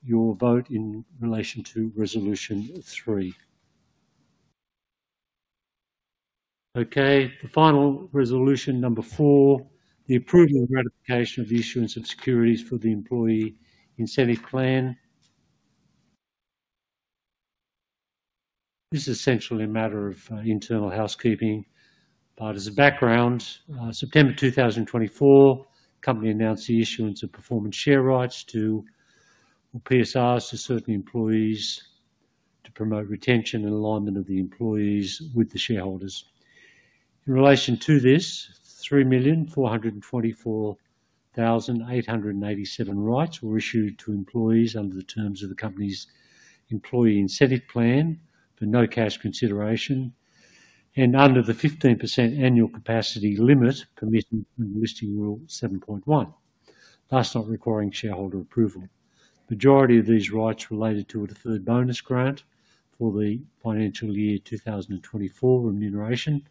your vote in relation to resolution three? Okay. The final resolution, number four, the approval and ratification of the issuance of securities for the employee incentive plan. This is essentially a matter of internal housekeeping, but as a background, September 2024, the company announced the issuance of performance share rights or PSRs to certain employees to promote retention and alignment of the employees with the shareholders. In relation to this, 3,424,887 rights were issued to employees under the terms of the company's employee incentive plan for no cash consideration and under the 15% annual capacity limit permitted in listing rule 7.1, thus not requiring shareholder approval. The majority of these rights related to a deferred bonus grant for the financial year 2024 remuneration,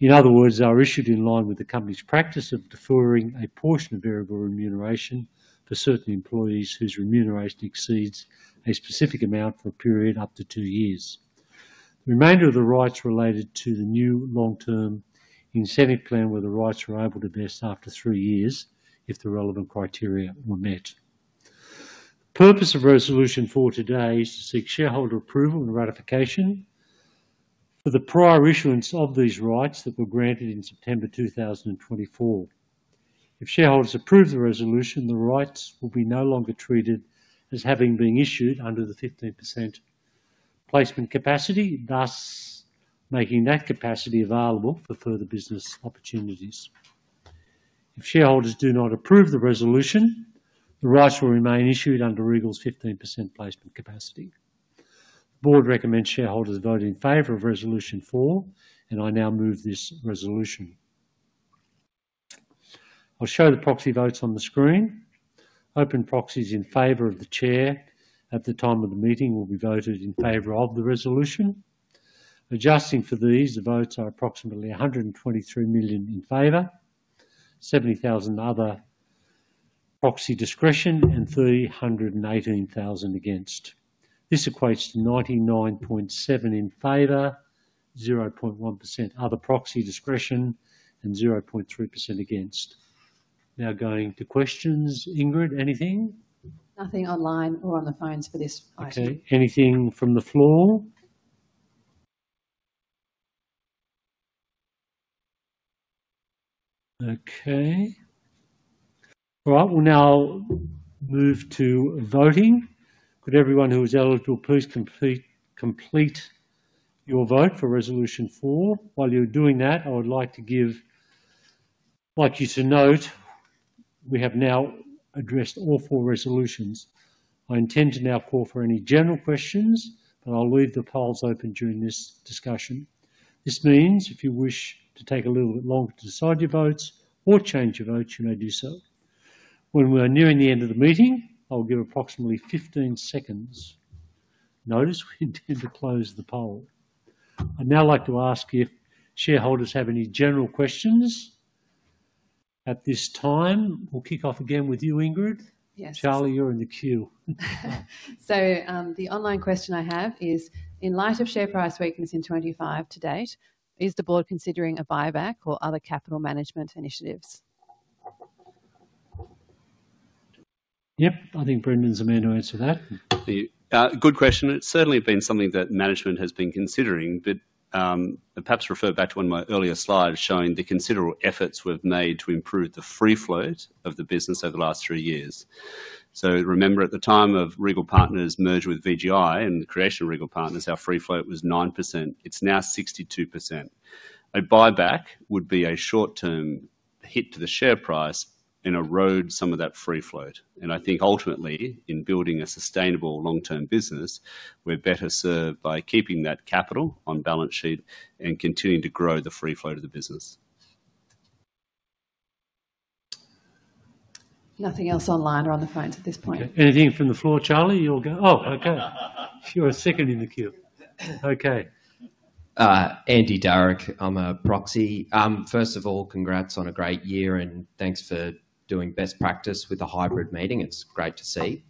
in other words, are issued in line with the company's practice of deferring a portion of variable remuneration for certain employees whose remuneration exceeds a specific amount for a period up to two years. The remainder of the rights related to the new long-term incentive plan where the rights are able to vest after three years if the relevant criteria were met. The purpose of resolution four today is to seek shareholder approval and ratification for the prior issuance of these rights that were granted in September 2024. If shareholders approve the resolution, the rights will be no longer treated as having been issued under the 15% placement capacity, thus making that capacity available for further business opportunities. If shareholders do not approve the resolution, the rights will remain issued under Regal's 15% placement capacity. The board recommends shareholders vote in favor of resolution four, and I now move this resolution. I'll show the proxy votes on the screen. Open proxies in favor of the chair at the time of the meeting will be voted in favor of the resolution. Adjusting for these, the votes are approximately 123 million in favor, 70,000 other proxy discretion, and 318,000 against. This equates to 99.7% in favor, 0.1% other proxy discretion, and 0.3% against. Now going to questions. Ingrid, anything? Nothing online or on the phones for this item. Okay. Anything from the floor? Okay. All right. We'll now move to voting. Could everyone who is eligible please complete your vote for resolution four? While you're doing that, I would like you to note, we have now addressed all four resolutions. I intend to now call for any general questions, but I'll leave the polls open during this discussion. This means if you wish to take a little bit longer to decide your votes or change your votes, you may do so. When we are nearing the end of the meeting, I'll give approximately 15 seconds' notice. We intend to close the poll. I'd now like to ask if shareholders have any general questions at this time. We'll kick off again with you, Ingrid. Yes. Charlie, you're in the queue. The online question I have is, in light of share price weakness in 2025 to date, is the board considering a buyback or other capital management initiatives? Yep. I think Brendan's the man to answer that. Good question. It's certainly been something that management has been considering, but perhaps refer back to one of my earlier slides showing the considerable efforts we've made to improve the free float of the business over the last three years. Remember, at the time of Regal Partners' merger with VGI and the creation of Regal Partners, our free float was 9%. It's now 62%. A buyback would be a short-term hit to the share price and erode some of that free float. I think ultimately, in building a sustainable long-term business, we're better served by keeping that capital on balance sheet and continuing to grow the free float of the business. Nothing else online or on the phones at this point. Anything from the floor, Charlie? You're going—oh, Okay. You're second in the queue. Okay. Andy Derrick, I'm a proxy. First of all, congrats on a great year, and thanks for doing best practice with the hybrid meeting. It's great to see.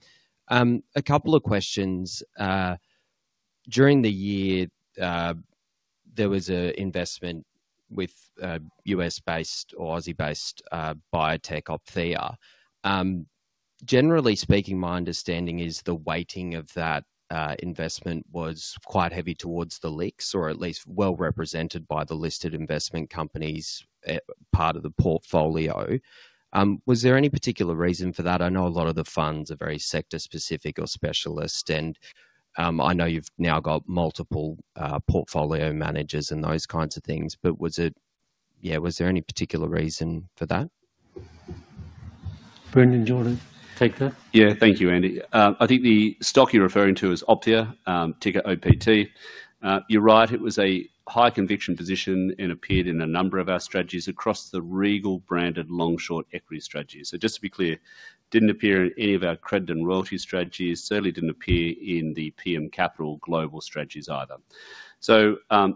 A couple of questions. During the year, there was an investment with U.S.-based or Aussie-based biotech Opthia. Generally speaking, my understanding is the weighting of that investment was quite heavy towards the LICs, or at least well represented by the listed investment companies' part of the portfolio. Was there any particular reason for that? I know a lot of the funds are very sector-specific or specialist, and I know you've now got multiple portfolio managers and those kinds of things, but was there—yeah, was there any particular reason for that? Brendan, Jordan, take that. Yeah, thank you, Andy. I think the stock you're referring to is Opthia, ticker OPT. You're right. It was a high-conviction position and appeared in a number of our strategies across the Regal-branded long-short equity strategies. Just to be clear, it didn't appear in any of our credit and royalty strategies, certainly didn't appear in the PM Capital Global strategies either.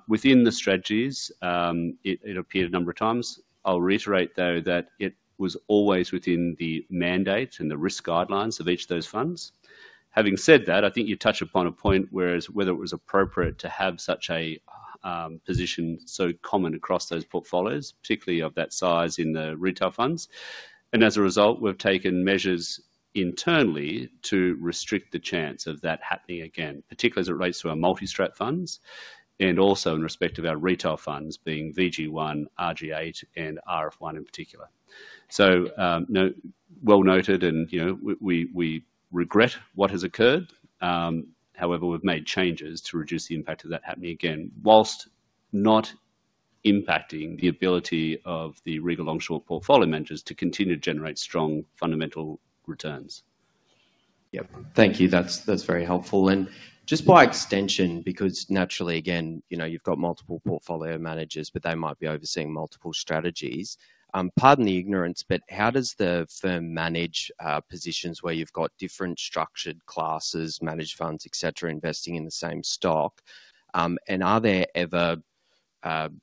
Within the strategies, it appeared a number of times. I'll reiterate, though, that it was always within the mandate and the risk guidelines of each of those funds. Having said that, I think you touch upon a point whereas whether it was appropriate to have such a position so common across those portfolios, particularly of that size in the retail funds. As a result, we've taken measures internally to restrict the chance of that happening again, particularly as it relates to our multi-strat funds and also in respect of our retail funds being VG1, RG8, and RF1 in particular. Well noted, and we regret what has occurred. However, we've made changes to reduce the impact of that happening again, whilst not impacting the ability of the Regal long-short portfolio managers to continue to generate strong fundamental returns. Thank you. That's very helpful. Just by extension, because naturally, again, you've got multiple portfolio managers, but they might be overseeing multiple strategies. Pardon the ignorance, but how does the firm manage positions where you've got different structured classes, managed funds, etc., investing in the same stock? Are there ever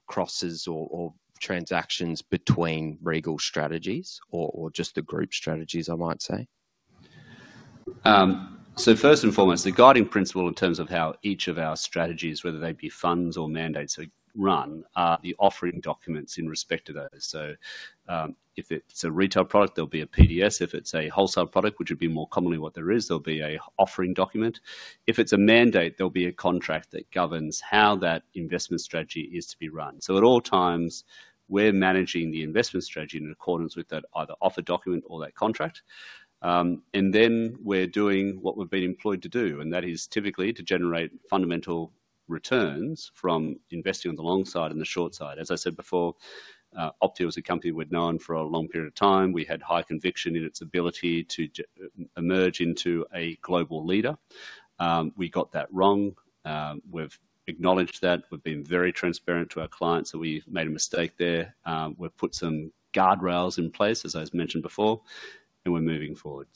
crosses or transactions between Regal strategies or just the group strategies, I might say? First and foremost, the guiding principle in terms of how each of our strategies, whether they be funds or mandates that we run, are the offering documents in respect to those. If it's a retail product, there'll be a PDS. If it's a wholesale product, which would be more commonly what there is, there'll be an offering document. If it's a mandate, there'll be a contract that governs how that investment strategy is to be run. At all times, we're managing the investment strategy in accordance with that either offer document or that contract. We're doing what we've been employed to do, and that is typically to generate fundamental returns from investing on the long side and the short side. As I said before, Opthia was a company we'd known for a long period of time. We had high conviction in its ability to emerge into a global leader. We got that wrong. We've acknowledged that. We've been very transparent to our clients, so we made a mistake there. We've put some guardrails in place, as I've mentioned before, and we're moving forward.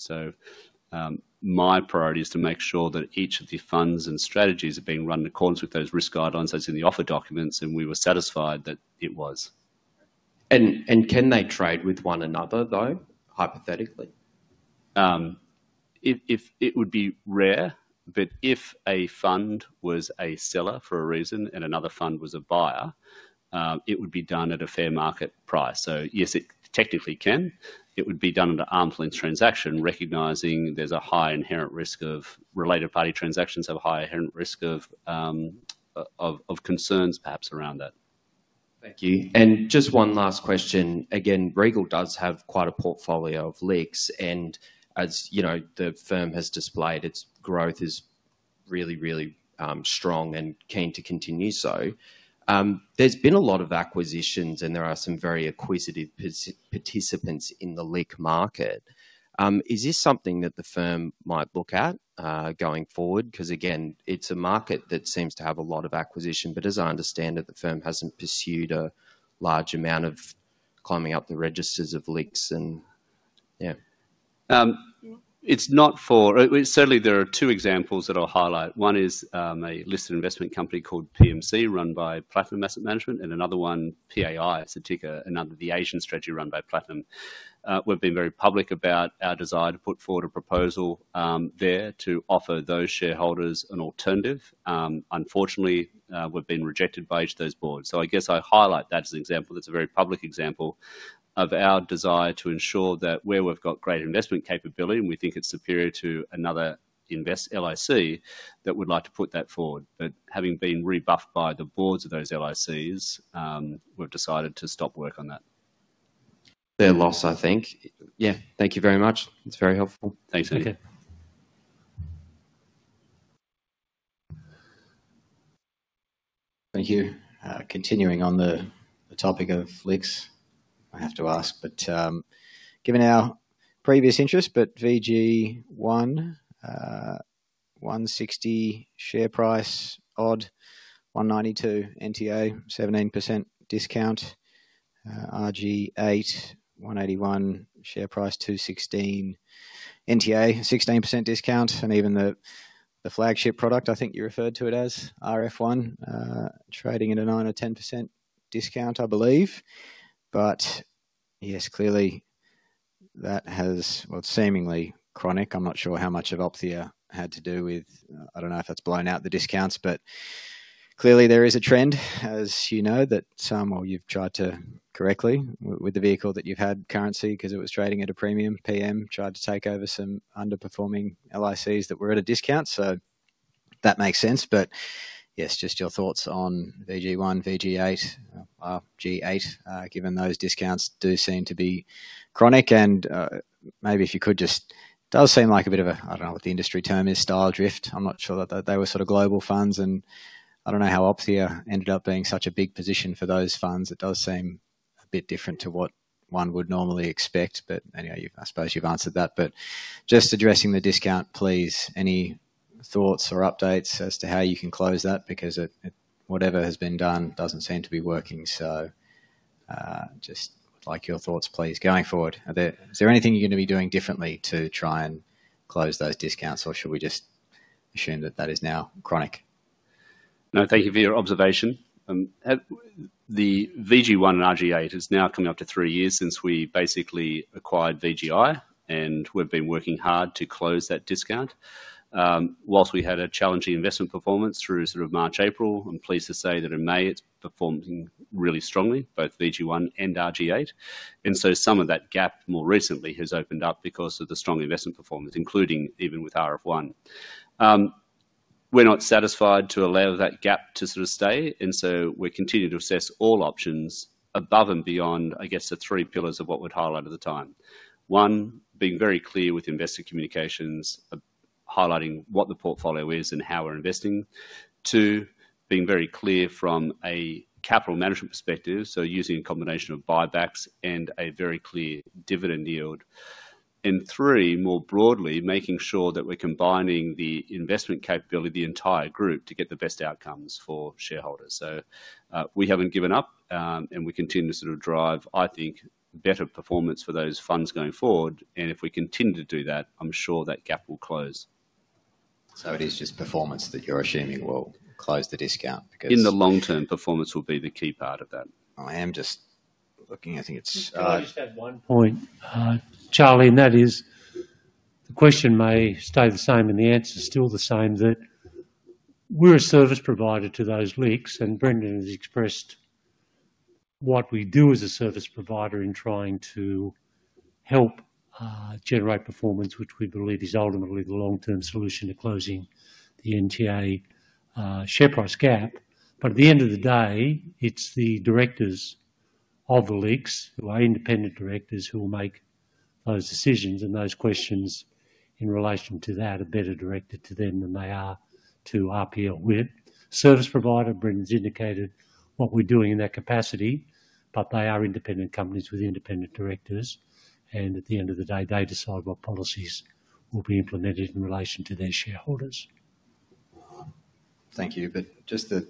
My priority is to make sure that each of the funds and strategies are being run in accordance with those risk guidelines that's in the offer documents, and we were satisfied that it was. Can they trade with one another, though, hypothetically? It would be rare, but if a fund was a seller for a reason and another fund was a buyer, it would be done at a fair market price. Yes, it technically can. It would be done under arm's length transaction, recognizing there's a high inherent risk of related-party transactions, have a high inherent risk of concerns, perhaps, around that. Thank you. Just one last question. Again, Regal does have quite a portfolio of LICs, and as the firm has displayed, its growth is really, really strong and keen to continue so. There's been a lot of acquisitions, and there are some very acquisitive participants in the LIC market. Is this something that the firm might look at going forward? Because, again, it's a market that seems to have a lot of acquisition, but as I understand it, the firm hasn't pursued a large amount of climbing up the registers of LICs and yeah. It's not for certain, there are two examples that I'll highlight. One is a listed investment company called PMC, run by Platinum Asset Management, and another one, PAI, it's a ticker under the Asian strategy run by Platinum. We've been very public about our desire to put forward a proposal there to offer those shareholders an alternative. Unfortunately, we've been rejected by each of those boards. I guess I highlight that as an example. It's a very public example of our desire to ensure that where we've got great investment capability, and we think it's superior to another invest LIC, that we'd like to put that forward. Having been rebuffed by the boards of those LICs, we've decided to stop work on that. Fair loss, I think. Yeah. Thank you very much. It's very helpful. Thanks, Andy. Okay. Thank you. Continuing on the topic of LICs, I have to ask, but given our previous interest, but VG1, 1.60 share price, 1.92 NTA, 17% discount, RG8, 1.81 share price, 2.16 NTA, 16% discount, and even the flagship product, I think you referred to it as, RF1, trading at a 9% or 10% discount, I believe. Yes, clearly, that has, well, it's seemingly chronic. I'm not sure how much of Opthia had to do with, I don't know if that's blown out the discounts, but clearly there is a trend, as you know, that some, or you've tried to correctly with the vehicle that you've had currency because it was trading at a premium. PM tried to take over some underperforming LICs that were at a discount, so that makes sense. Yes, just your thoughts on VG1, VG8, RG8, given those discounts do seem to be chronic. Maybe if you could just, it does seem like a bit of a, I do not know what the industry term is, style drift. I am not sure that they were sort of global funds, and I do not know how Opthia ended up being such a big position for those funds. It does seem a bit different to what one would normally expect, but anyway, I suppose you have answered that. Just addressing the discount, please, any thoughts or updates as to how you can close that? Because whatever has been done does not seem to be working, so just like your thoughts, please, going forward. Is there anything you are going to be doing differently to try and close those discounts, or should we just assume that that is now chronic? No, thank you for your observation. The VG1 and RG8 is now coming up to three years since we basically acquired VGI, and we've been working hard to close that discount. Whilst we had a challenging investment performance through sort of March, April, I'm pleased to say that in May it's performing really strongly, both VG1 and RG8. Some of that gap more recently has opened up because of the strong investment performance, including even with RF1. We're not satisfied to allow that gap to sort of stay, and so we're continuing to assess all options above and beyond, I guess, the three pillars of what we'd highlight at the time. One, being very clear with investor communications, highlighting what the portfolio is and how we're investing. Two, being very clear from a capital management perspective, using a combination of buybacks and a very clear dividend yield. Three, more broadly, making sure that we're combining the investment capability, the entire group, to get the best outcomes for shareholders. We haven't given up, and we continue to sort of drive, I think, better performance for those funds going forward, and if we continue to do that, I'm sure that gap will close. It is just performance that you're assuming will close the discount because in the long term, performance will be the key part of that. I am just looking. I think it's I just have one point, Charlie, and that is the question may stay the same and the answer's still the same, that we're a service provider to those LICs, and Brendan has expressed what we do as a service provider in trying to help generate performance, which we believe is ultimately the long-term solution to closing the NTA share price gap. At the end of the day, it's the directors of the LICs who are independent directors who will make those decisions and those questions in relation to that are better directed to them than they are to RPL. With service provider, Brendan's indicated what we're doing in that capacity, but they are independent companies with independent directors, and at the end of the day, they decide what policies will be implemented in relation to their shareholders. Thank you. Just the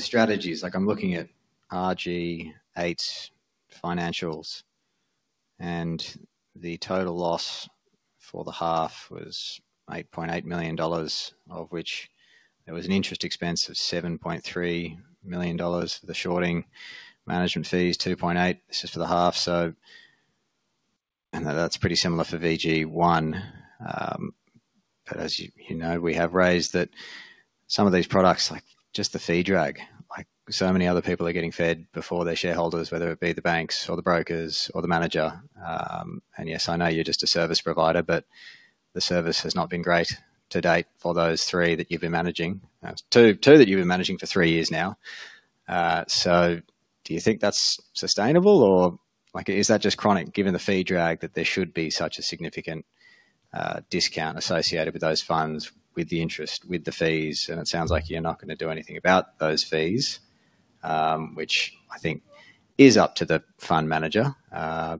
strategies, like I'm looking at RG8 financials, and the total loss for the half was 8.8 million dollars, of which there was an interest expense of 7.3 million dollars for the shorting, management fees 2.8 million, this is for the half. That's pretty similar for VG1. As you know, we have raised that some of these products, like just the fee drag, like so many other people are getting fed before their shareholders, whether it be the banks or the brokers or the manager. Yes, I know you're just a service provider, but the service has not been great to date for those three that you've been managing, two that you've been managing for three years now. Do you think that's sustainable, or is that just chronic given the fee drag that there should be such a significant discount associated with those funds, with the interest, with the fees? It sounds like you're not going to do anything about those fees, which I think is up to the fund manager. I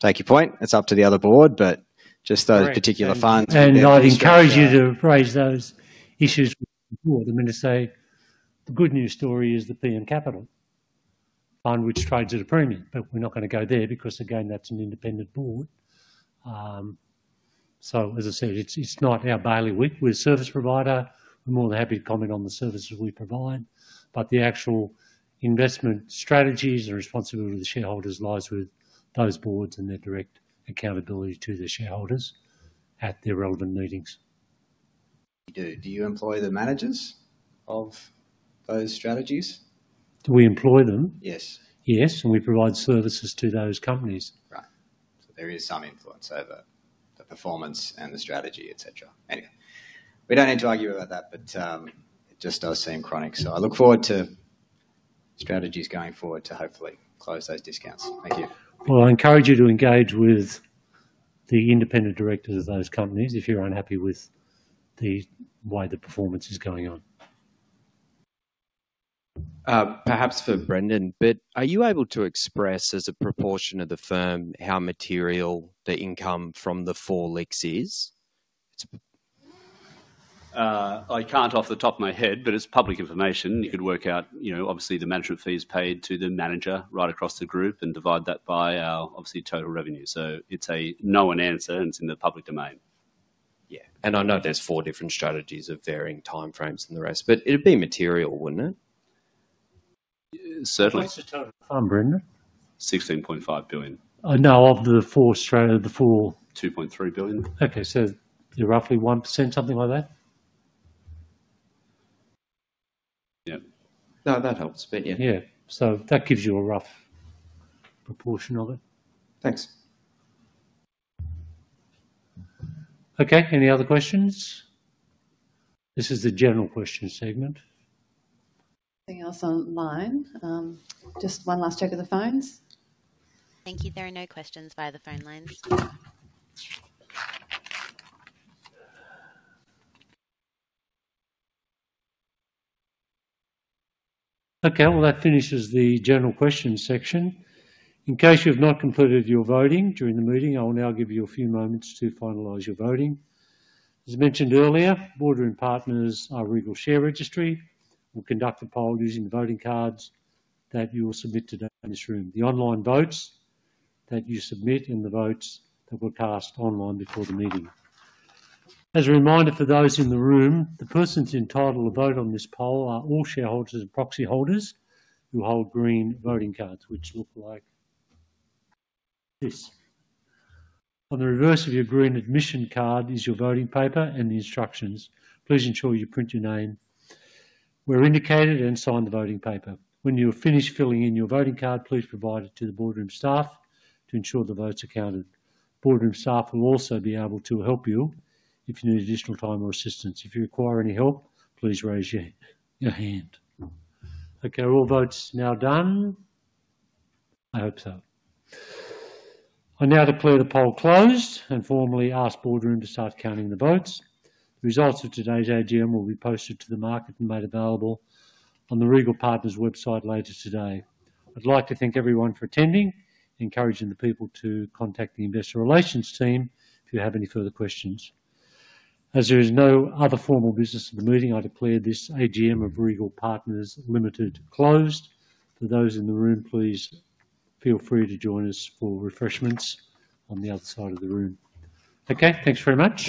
take your point. It's up to the other board, but just those particular funds. I'd encourage you to raise those issues with the board. I mean, I say the good news story is the PM Capital Fund, which trades at a premium, but we're not going to go there because, again, that's an independent board. As I said, it's not our bailiwick. We're a service provider. We're more than happy to comment on the services we provide, but the actual investment strategies and responsibility of the shareholders lies with those boards and their direct accountability to the shareholders at their relevant meetings. Do you employ the managers of those strategies? Do we employ them? Yes. Yes. And we provide services to those companies. Right. So there is some influence over the performance and the strategy, etc. Anyway, we don't need to argue about that, but it just does seem chronic. I look forward to strategies going forward to hopefully close those discounts. Thank you. I encourage you to engage with the independent directors of those companies if you're unhappy with the way the performance is going on. Perhaps for Brendan, but are you able to express as a proportion of the firm how material the income from the four LICs is? I can't off the top of my head, but it's public information. You could work out, obviously, the management fee is paid to the manager right across the group and divide that by our, obviously, total revenue. So it's a no-one answer, and it's in the public domain. Yeah. I know there's four different strategies of varying timeframes and the rest, but it'd be material, wouldn't it? Certainly. How much is total fund, Brendan? 16.5 billion. No, of the four. 2.3 billion. Okay. So you're roughly 1%, something like that? Yeah. No, that helps, but yeah. Yeah. So that gives you a rough proportion of it. Thanks. Okay. Any other questions? This is the general question segment. Anything else online? Just one last check of the phones. Thank you. There are no questions via the phone lines. Okay. That finishes the general question section. In case you have not completed your voting during the meeting, I will now give you a few moments to finalise your voting. As mentioned earlier, Boardroom are a Regal share registry. We'll conduct the poll using the voting cards that you will submit today in this room, the online votes that you submit, and the votes that were cast online before the meeting. As a reminder for those in the room, the persons entitled to vote on this poll are all shareholders and proxy holders who hold green voting cards, which look like this. On the reverse of your green admission card is your voting paper and the instructions. Please ensure you print your name where indicated and sign the voting paper. When you're finished filling in your voting card, please provide it to the Boardroom staff to ensure the votes are counted. Boardroom staff will also be able to help you if you need additional time or assistance. If you require any help, please raise your hand. Okay. Are all votes now done? I hope so. I now declare the poll closed and formally ask Boardroom to start counting the votes. The results of today's AGM will be posted to the market and made available on the Regal Partners website later today. I'd like to thank everyone for attending, encouraging the people to contact the investor relations team if you have any further questions. As there is no other formal business at the meeting, I declare this AGM of Regal Partners closed. For those in the room, please feel free to join us for refreshments on the other side of the room. Okay. Thanks very much.